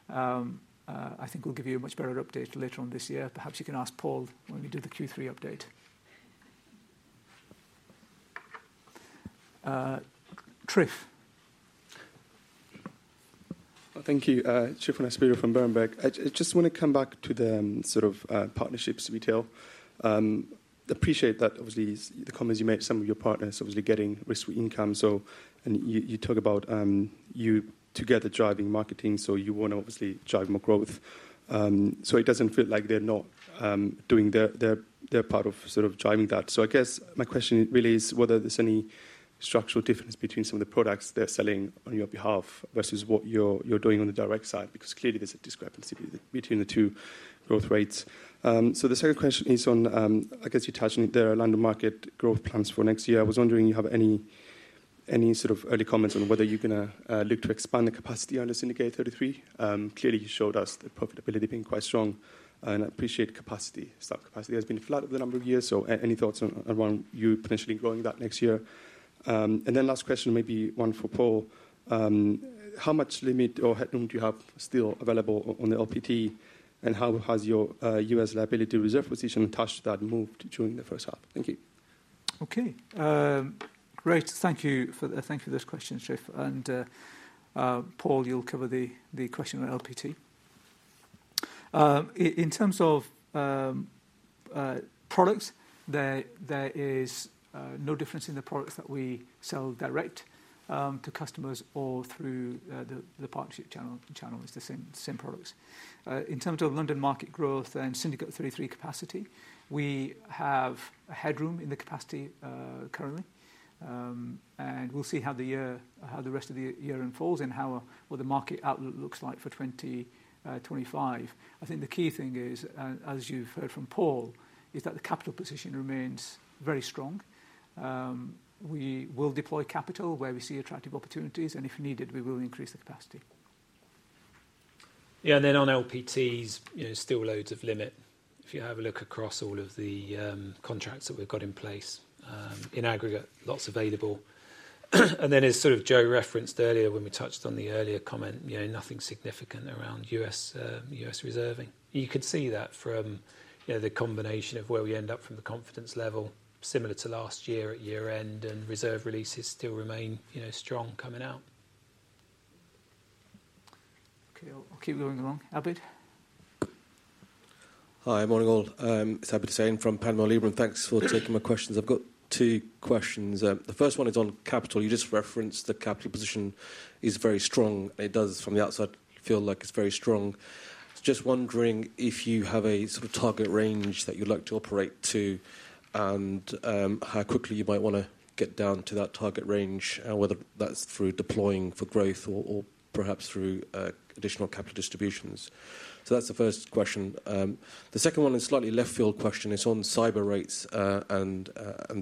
I think we'll give you a much better update later on this year. Perhaps you can ask Paul when we do the Q3 update. Tryfonas. Thank you. Tryfonas Spyrou from Berenberg. I just want to come back to the sort of partnerships retail. I appreciate that obviously the comments you made, some of your partners obviously getting risk-free income. So you talk about you together driving marketing, so you want to obviously drive more growth. So it doesn't feel like they're not doing their part of sort of driving that. So I guess my question really is whether there's any structural difference between some of the products they're selling on your behalf versus what you're doing on the direct side, because clearly there's a discrepancy between the two growth rates. So the second question is on, I guess you touched on it, there are London Market growth plans for next year. I was wondering if you have any sort of early comments on whether you're going to look to expand the capacity under Syndicate 33. Clearly, you showed us the profitability being quite strong, and I appreciate capacity. Stamp capacity has been flat over the number of years. So any thoughts on you potentially growing that next year? And then last question, maybe one for Paul. How much limit or headroom do you have still available on the LPT, and how has your U.S. liability reserve position touched that move during the first half? Thank you. Okay. Great. Thank you for this question, Tryfonas. And Paul, you'll cover the question on LPT. In terms of products, there is no difference in the products that we sell direct to customers or through the partnership channel. It's the same products. In terms of London Market growth and Syndicate 33 capacity, we have a headroom in the capacity currently. And we'll see how the rest of the year unfolds and how the market outlook looks like for 2025. I think the key thing is, as you've heard from Paul, is that the capital position remains very strong. We will deploy capital where we see attractive opportunities, and if needed, we will increase the capacity. Yeah, and then on LPTs, still loads of limit. If you have a look across all of the contracts that we've got in place, in aggregate, lots available. And then as sort of Joe referenced earlier when we touched on the earlier comment, nothing significant around U.S. reserving. You could see that from the combination of where we end up from the confidence level, similar to last year at year-end, and reserve releases still remain strong coming out. Okay, I'll keep going along. Abid. Hi, morning all. It's Abid Hussain from Panmure Liberum. Thanks for taking my questions. I've got two questions. The first one is on capital. You just referenced the capital position is very strong. It does from the outside feel like it's very strong. Just wondering if you have a sort of target range that you'd like to operate to and how quickly you might want to get down to that target range, whether that's through deploying for growth or perhaps through additional capital distributions. So that's the first question. The second one is slightly left-field question. It's on cyber rates and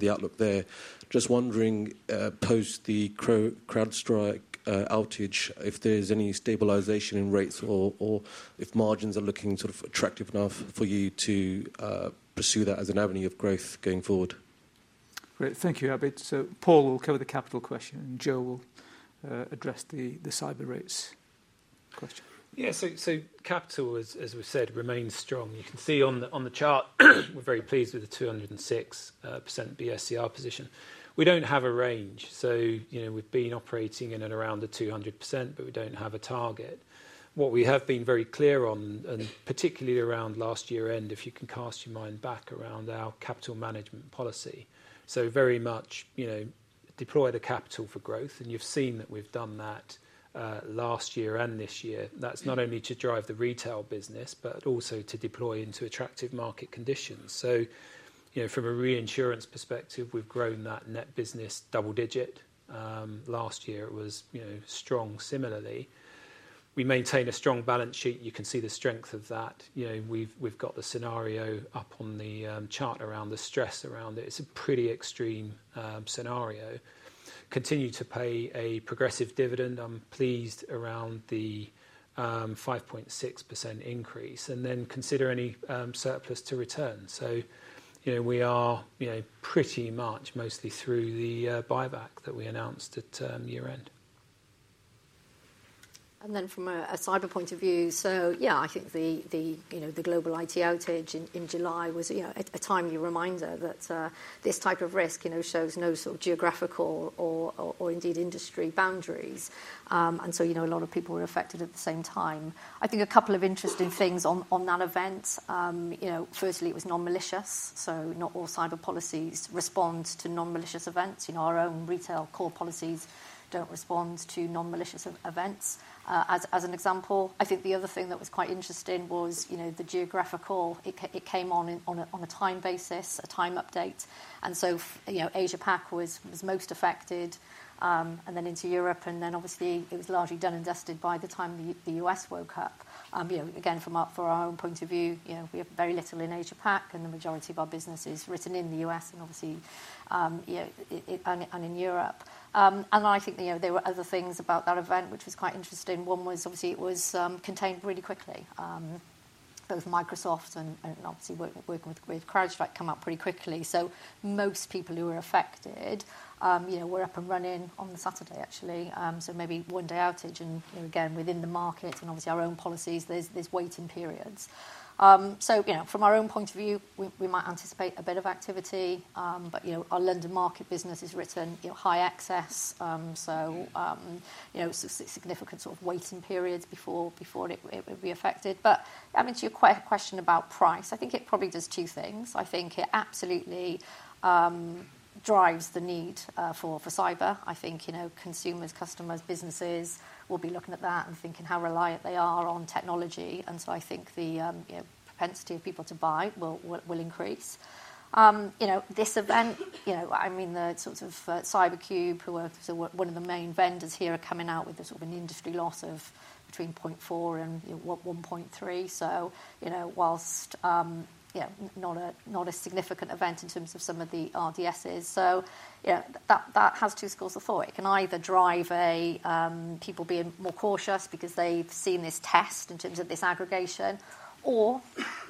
the outlook there. Just wondering, post the CrowdStrike outage, if there's any stabilization in rates or if margins are looking sort of attractive enough for you to pursue that as an avenue of growth going forward. Great. Thank you, Abid. So Paul will cover the capital question, and Joe will address the cyber rates question. Yeah, so capital, as we've said, remains strong. You can see on the chart, we're very pleased with the 206% BSCR position. We don't have a range. So we've been operating in and around the 200%, but we don't have a target. What we have been very clear on, and particularly around last year-end, if you can cast your mind back around our capital management policy. So very much deploy the capital for growth, and you've seen that we've done that last year and this year. That's not only to drive the retail business, but also to deploy into attractive market conditions. So from a reinsurance perspective, we've grown that net business double-digit. Last year, it was strong similarly. We maintain a strong balance sheet. You can see the strength of that. We've got the scenario up on the chart around the stress around it. It's a pretty extreme scenario. Continue to pay a progressive dividend. I'm pleased around the 5.6% increase. And then consider any surplus to return. So we are pretty much mostly through the buyback that we announced at year-end. And then from a cyber point of view, so yeah, I think the global IT outage in July was a timely reminder that this type of risk shows no sort of geographical or indeed industry boundaries. And so a lot of people were affected at the same time. I think a couple of interesting things on that event. Firstly, it was non-malicious. So not all cyber policies respond to non-malicious events. Our own retail core policies don't respond to non-malicious events as an example. I think the other thing that was quite interesting was the geographical. It came on a time basis, a time update. And so Asia-Pac was most affected, and then into Europe. And then obviously, it was largely done and dusted by the time the U.S. woke up. Again, from our own point of view, we have very little in Asia-Pac, and the majority of our business is written in the U.S. and obviously in Europe. And I think there were other things about that event, which was quite interesting. One was obviously it was contained really quickly. Both Microsoft and obviously working with CrowdStrike come up pretty quickly. So most people who were affected were up and running on the Saturday, actually. So maybe one-day outage and again within the markets and obviously our own policies, there's waiting periods. So from our own point of view, we might anticipate a bit of activity, but our London Market business is written, high excess. So significant sort of waiting periods before it would be affected. But I mean, to your question about price, I think it probably does two things. I think it absolutely drives the need for cyber. I think consumers, customers, businesses will be looking at that and thinking how reliant they are on technology. And so I think the propensity of people to buy will increase. This event, I mean, the sort of CyberCube, who are sort of one of the main vendors here, are coming out with sort of an industry loss of between $0.4 billion - $1.3 billion. So while not a significant event in terms of some of the RDSs. So that has two schools of thought. It can either drive people being more cautious because they've seen this test in terms of this aggregation, or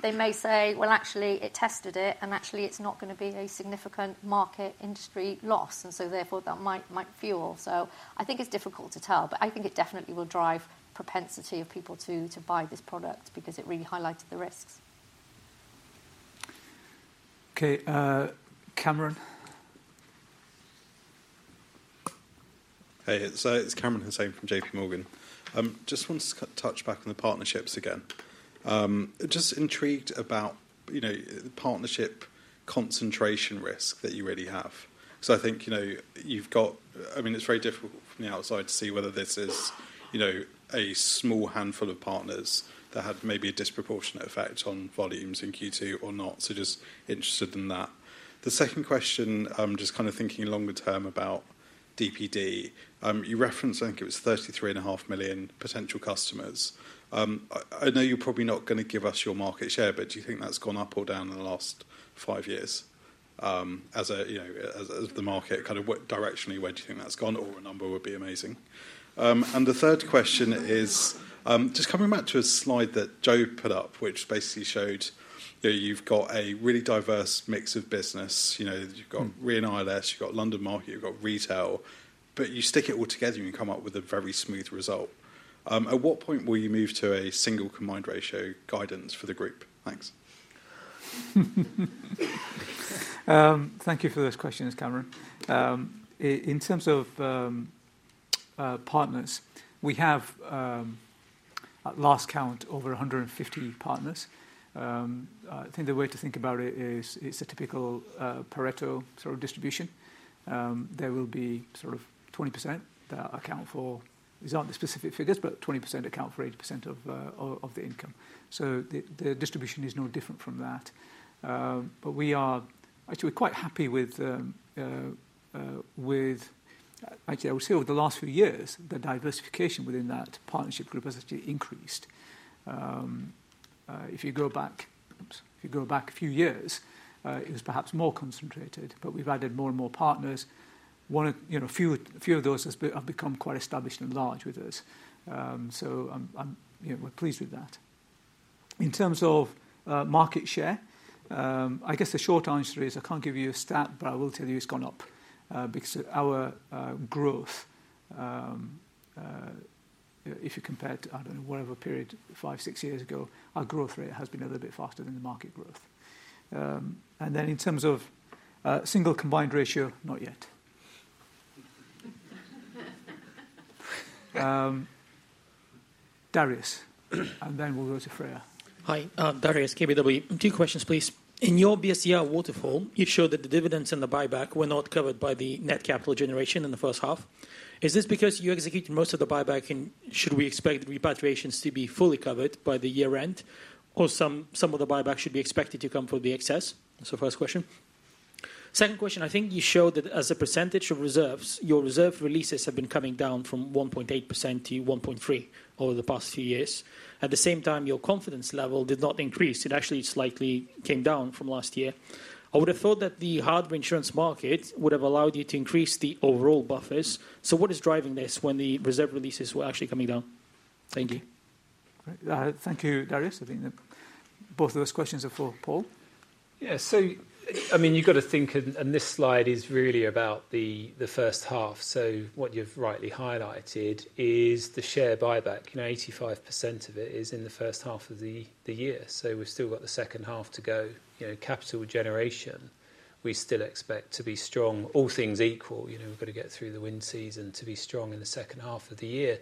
they may say, well, actually, it tested it, and actually, it's not going to be a significant market industry loss. And so therefore, that might fuel. So I think it's difficult to tell, but I think it definitely will drive propensity of people to buy this product because it really highlighted the risks. Okay, Kamran. Hey, so it's Kamran Hossain from JPMorgan. Just want to touch back on the partnerships again. Just intrigued about the partnership concentration risk that you really have. So I think you've got, I mean, it's very difficult from the outside to see whether this is a small handful of partners that had maybe a disproportionate effect on volumes in Q2 or not. So just interested in that. The second question, just kind of thinking longer term about DPD, you referenced, I think it was 33.5 million potential customers. I know you're probably not going to give us your market share, but do you think that's gone up or down in the last five years as the market kind of directionally wedged in that score? Or a number would be amazing. And the third question is just coming back to a slide that Joe put up, which basically showed you've got a really diverse mix of business. You've got reinsurance, you've got London Market, you've got retail, but you stick it all together and you come up with a very smooth result. At what point will you move to a single combined ratio guidance for the group? Thanks. Thank you for those questions, Kamran. In terms of partners, we have at last count over 150 partners. I think the way to think about it is it's a typical Pareto sort of distribution. There will be sort of 20% that account for, these aren't the specific figures, but 20% account for 80% of the income. So the distribution is no different from that. But we are, I think we're quite happy with actually, I would say over the last few years, the diversification within that partnership capacity increased. If you go back, if you go back a few years, it was perhaps more concentrated, but we've added more and more partners. A few of those have become quite established and large with us. So we're pleased with that. In terms of market share, I guess the short answer is I can't give you a stat, but I will tell you it's gone up because our growth, if you compare it to, I don't know, whatever period, 5, 6 years ago, our growth rate has been a little bit faster than the market growth. And then in terms of single combined ratio, not yet. Darius, and then we'll go to Freya. Hi, Darius, KBW. Two questions, please. In your BSCR waterfall, you've showed that the dividends and the buyback were not covered by the net capital generation in the first half. Is this because you execute most of the buyback and should we expect the repatriations to be fully covered by the year-end, or some of the buyback should be expected to come from the excess? That's the first question. Second question, I think you showed that as a percentage of reserves, your reserve releases have been coming down from 1.8%-1.3% over the past few years. At the same time, your confidence level did not increase. It actually slightly came down from last year. I would have thought that the harder insurance markets would have allowed you to increase the overall buffers. So what is driving this when the reserve releases were actually coming down? Thank you. Thank you, Darius. I think both of those questions are for Paul. Yeah, so I mean, you've got to think, and this slide is really about the first half. So what you've rightly highlighted is the share buyback. 85% of it is in the first half of the year. So we've still got the second half to go. Capital generation, we still expect to be strong. All things equal, we've got to get through the wind season to be strong in the second half of the year.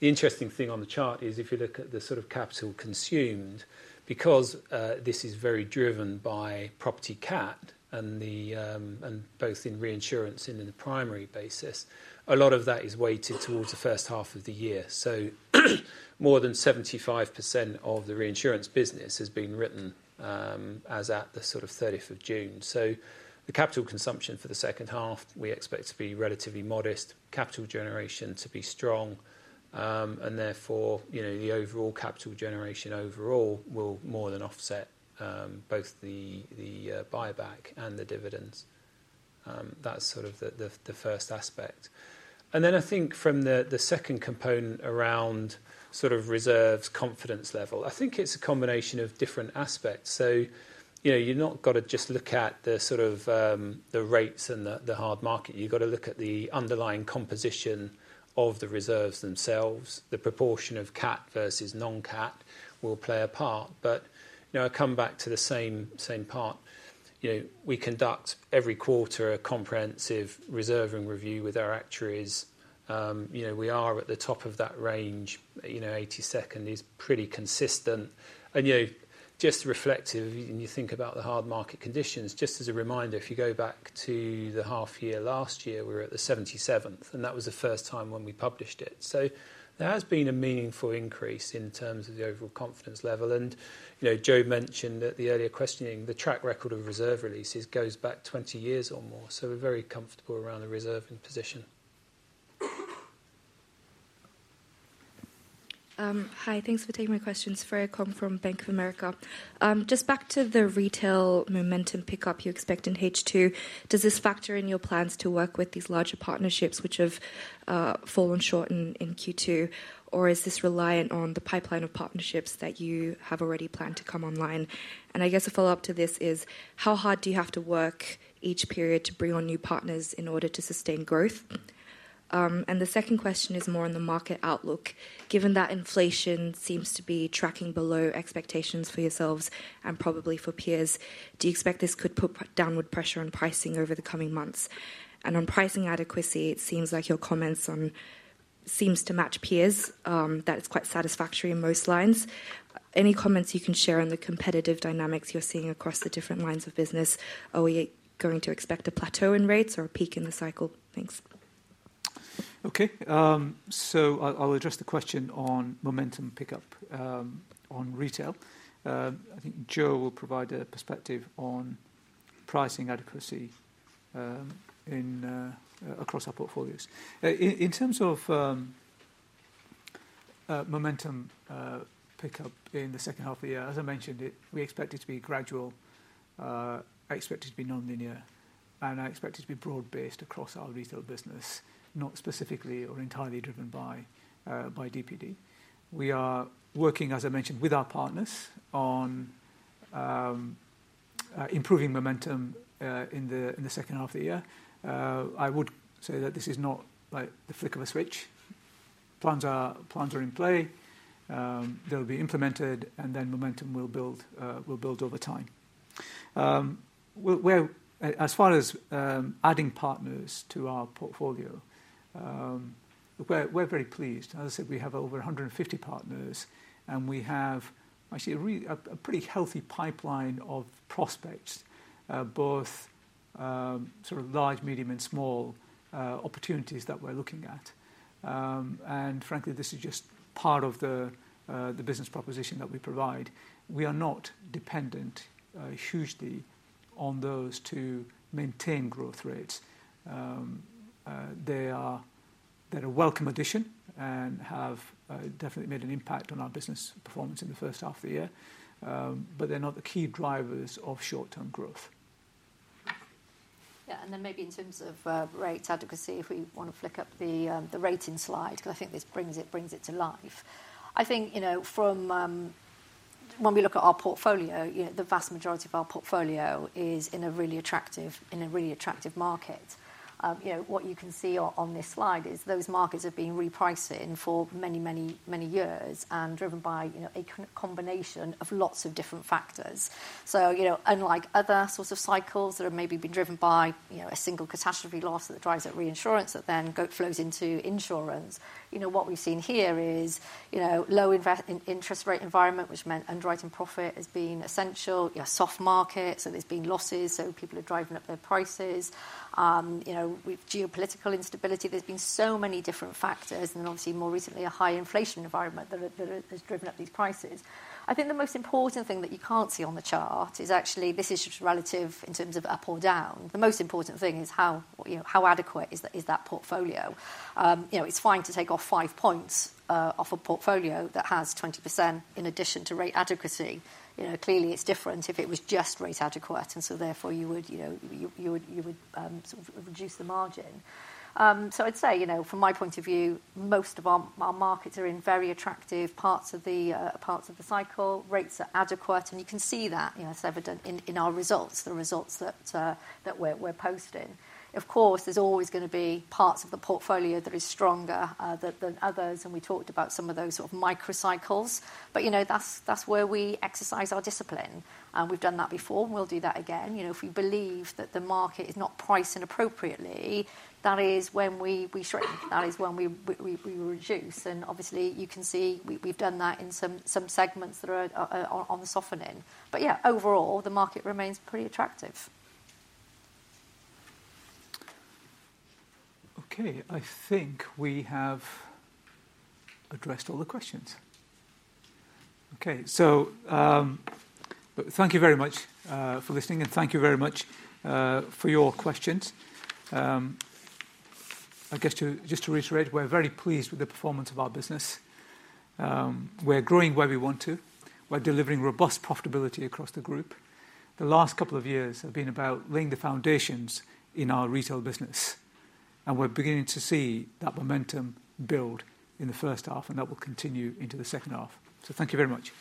The interesting thing on the chart is if you look at the sort of capital consumed, because this is very driven by property CAT and both in reinsurance and in the primary basis, a lot of that is weighted towards the first half of the year. So more than 75% of the reinsurance business has been written as at the sort of 30th of June. So the capital consumption for the second half, we expect to be relatively modest, capital generation to be strong, and therefore the overall capital generation overall will more than offset both the buyback and the dividends. That's sort of the first aspect. And then I think from the second component around sort of reserves confidence level, I think it's a combination of different aspects. So you've not got to just look at the sort of the rates and the hard market. You've got to look at the underlying composition of the reserves themselves. The proportion of CAT versus non-CAT will play a part. But I come back to the same part. We conduct every quarter a comprehensive reserving review with our actuaries. We are at the top of that range. 82nd is pretty consistent. And just reflective, you think about the hard market conditions. Just as a reminder, if you go back to the half year last year, we were at the 77%, and that was the first time when we published it. So there has been a meaningful increase in terms of the overall confidence level. And Joe mentioned at the earlier questioning, the track record of reserve releases goes back 20 years or more. So we're very comfortable around the reserving position. Hi, thanks for taking my questions. Freya Kong from Bank of America. Just back to the retail momentum pickup you expect in H2, does this factor in your plans to work with these larger partnerships which have fallen short in Q2, or is this reliant on the pipeline of partnerships that you have already planned to come online? I guess a follow-up to this is, how hard do you have to work each period to bring on new partners in order to sustain growth? And the second question is more on the market outlook. Given that inflation seems to be tracking below expectations for yourselves and probably for peers, do you expect this could put downward pressure on pricing over the coming months? And on pricing adequacy, it seems like your comments seem to match peers, that it's quite satisfactory in most lines. Any comments you can share on the competitive dynamics you're seeing across the different lines of business? Are we going to expect a plateau in rates or a peak in the cycle? Thanks. Okay, so I'll address the question on momentum pickup on retail. I think Joe will provide a perspective on pricing adequacy across our portfolios. In terms of momentum pickup in the second half of the year, as I mentioned, we expect it to be gradual. I expect it to be non-linear, and I expect it to be broad-based across our retail business, not specifically or entirely driven by DPD. We are working, as I mentioned, with our partners on improving momentum in the second half of the year. I would say that this is not the flick of a switch. Plans are in play. They'll be implemented, and then momentum will build over time. As far as adding partners to our portfolio, we're very pleased. As I said, we have over 150 partners, and we have actually a pretty healthy pipeline of prospects, both sort of large, medium, and small opportunities that we're looking at. And frankly, this is just part of the business proposition that we provide. We are not dependent hugely on those to maintain growth rates. They are a welcome addition and have definitely made an impact on our business performance in the first half of the year, but they're not the key drivers of short-term growth. Yeah, and then maybe in terms of rate adequacy, if we want to flick up the rating slide, because I think this brings it to life. I think from when we look at our portfolio, the vast majority of our portfolio is in a really attractive market. What you can see on this slide is those markets have been repricing for many, many, many years and driven by a combination of lots of different factors. So unlike other sorts of cycles that have maybe been driven by a single catastrophe loss that drives that reinsurance that then flows into insurance, what we've seen here is a low interest rate environment, which meant underwriting profit has been essential, soft market, so there's been losses, so people are driving up their prices. We've geopolitical instability. There's been so many different factors, and obviously more recently a high inflation environment that has driven up these prices. I think the most important thing that you can't see on the chart is actually this is just relative in terms of up or down. The most important thing is how adequate is that portfolio? It's fine to take off 5 points off a portfolio that has 20% in addition to rate adequacy. Clearly, it's different if it was just rate adequate, and so therefore you would sort of reduce the margin. So I'd say, from my point of view, most of our markets are in very attractive parts of the cycle. Rates are adequate, and you can see that. It's evident in our results, the results that we're posting. Of course, there's always going to be parts of the portfolio that are stronger than others, and we talked about some of those sort of microcycles. But that's where we exercise our discipline. We've done that before, and we'll do that again. If we believe that the market is not priced inappropriately, that is when we shrink, that is when we reduce. And obviously, you can see we've done that in some segments that are on the softening. But yeah, overall, the market remains pretty attractive. Okay, I think we have addressed all the questions. Okay, so thank you very much for listening, and thank you very much for your questions. I guess just to reiterate, we're very pleased with the performance of our business. We're growing where we want to. We're delivering robust profitability across the group. The last couple of years have been about laying the foundations in our retail business, and we're beginning to see that momentum build in the first half, and that will continue into the second half. So thank you very much.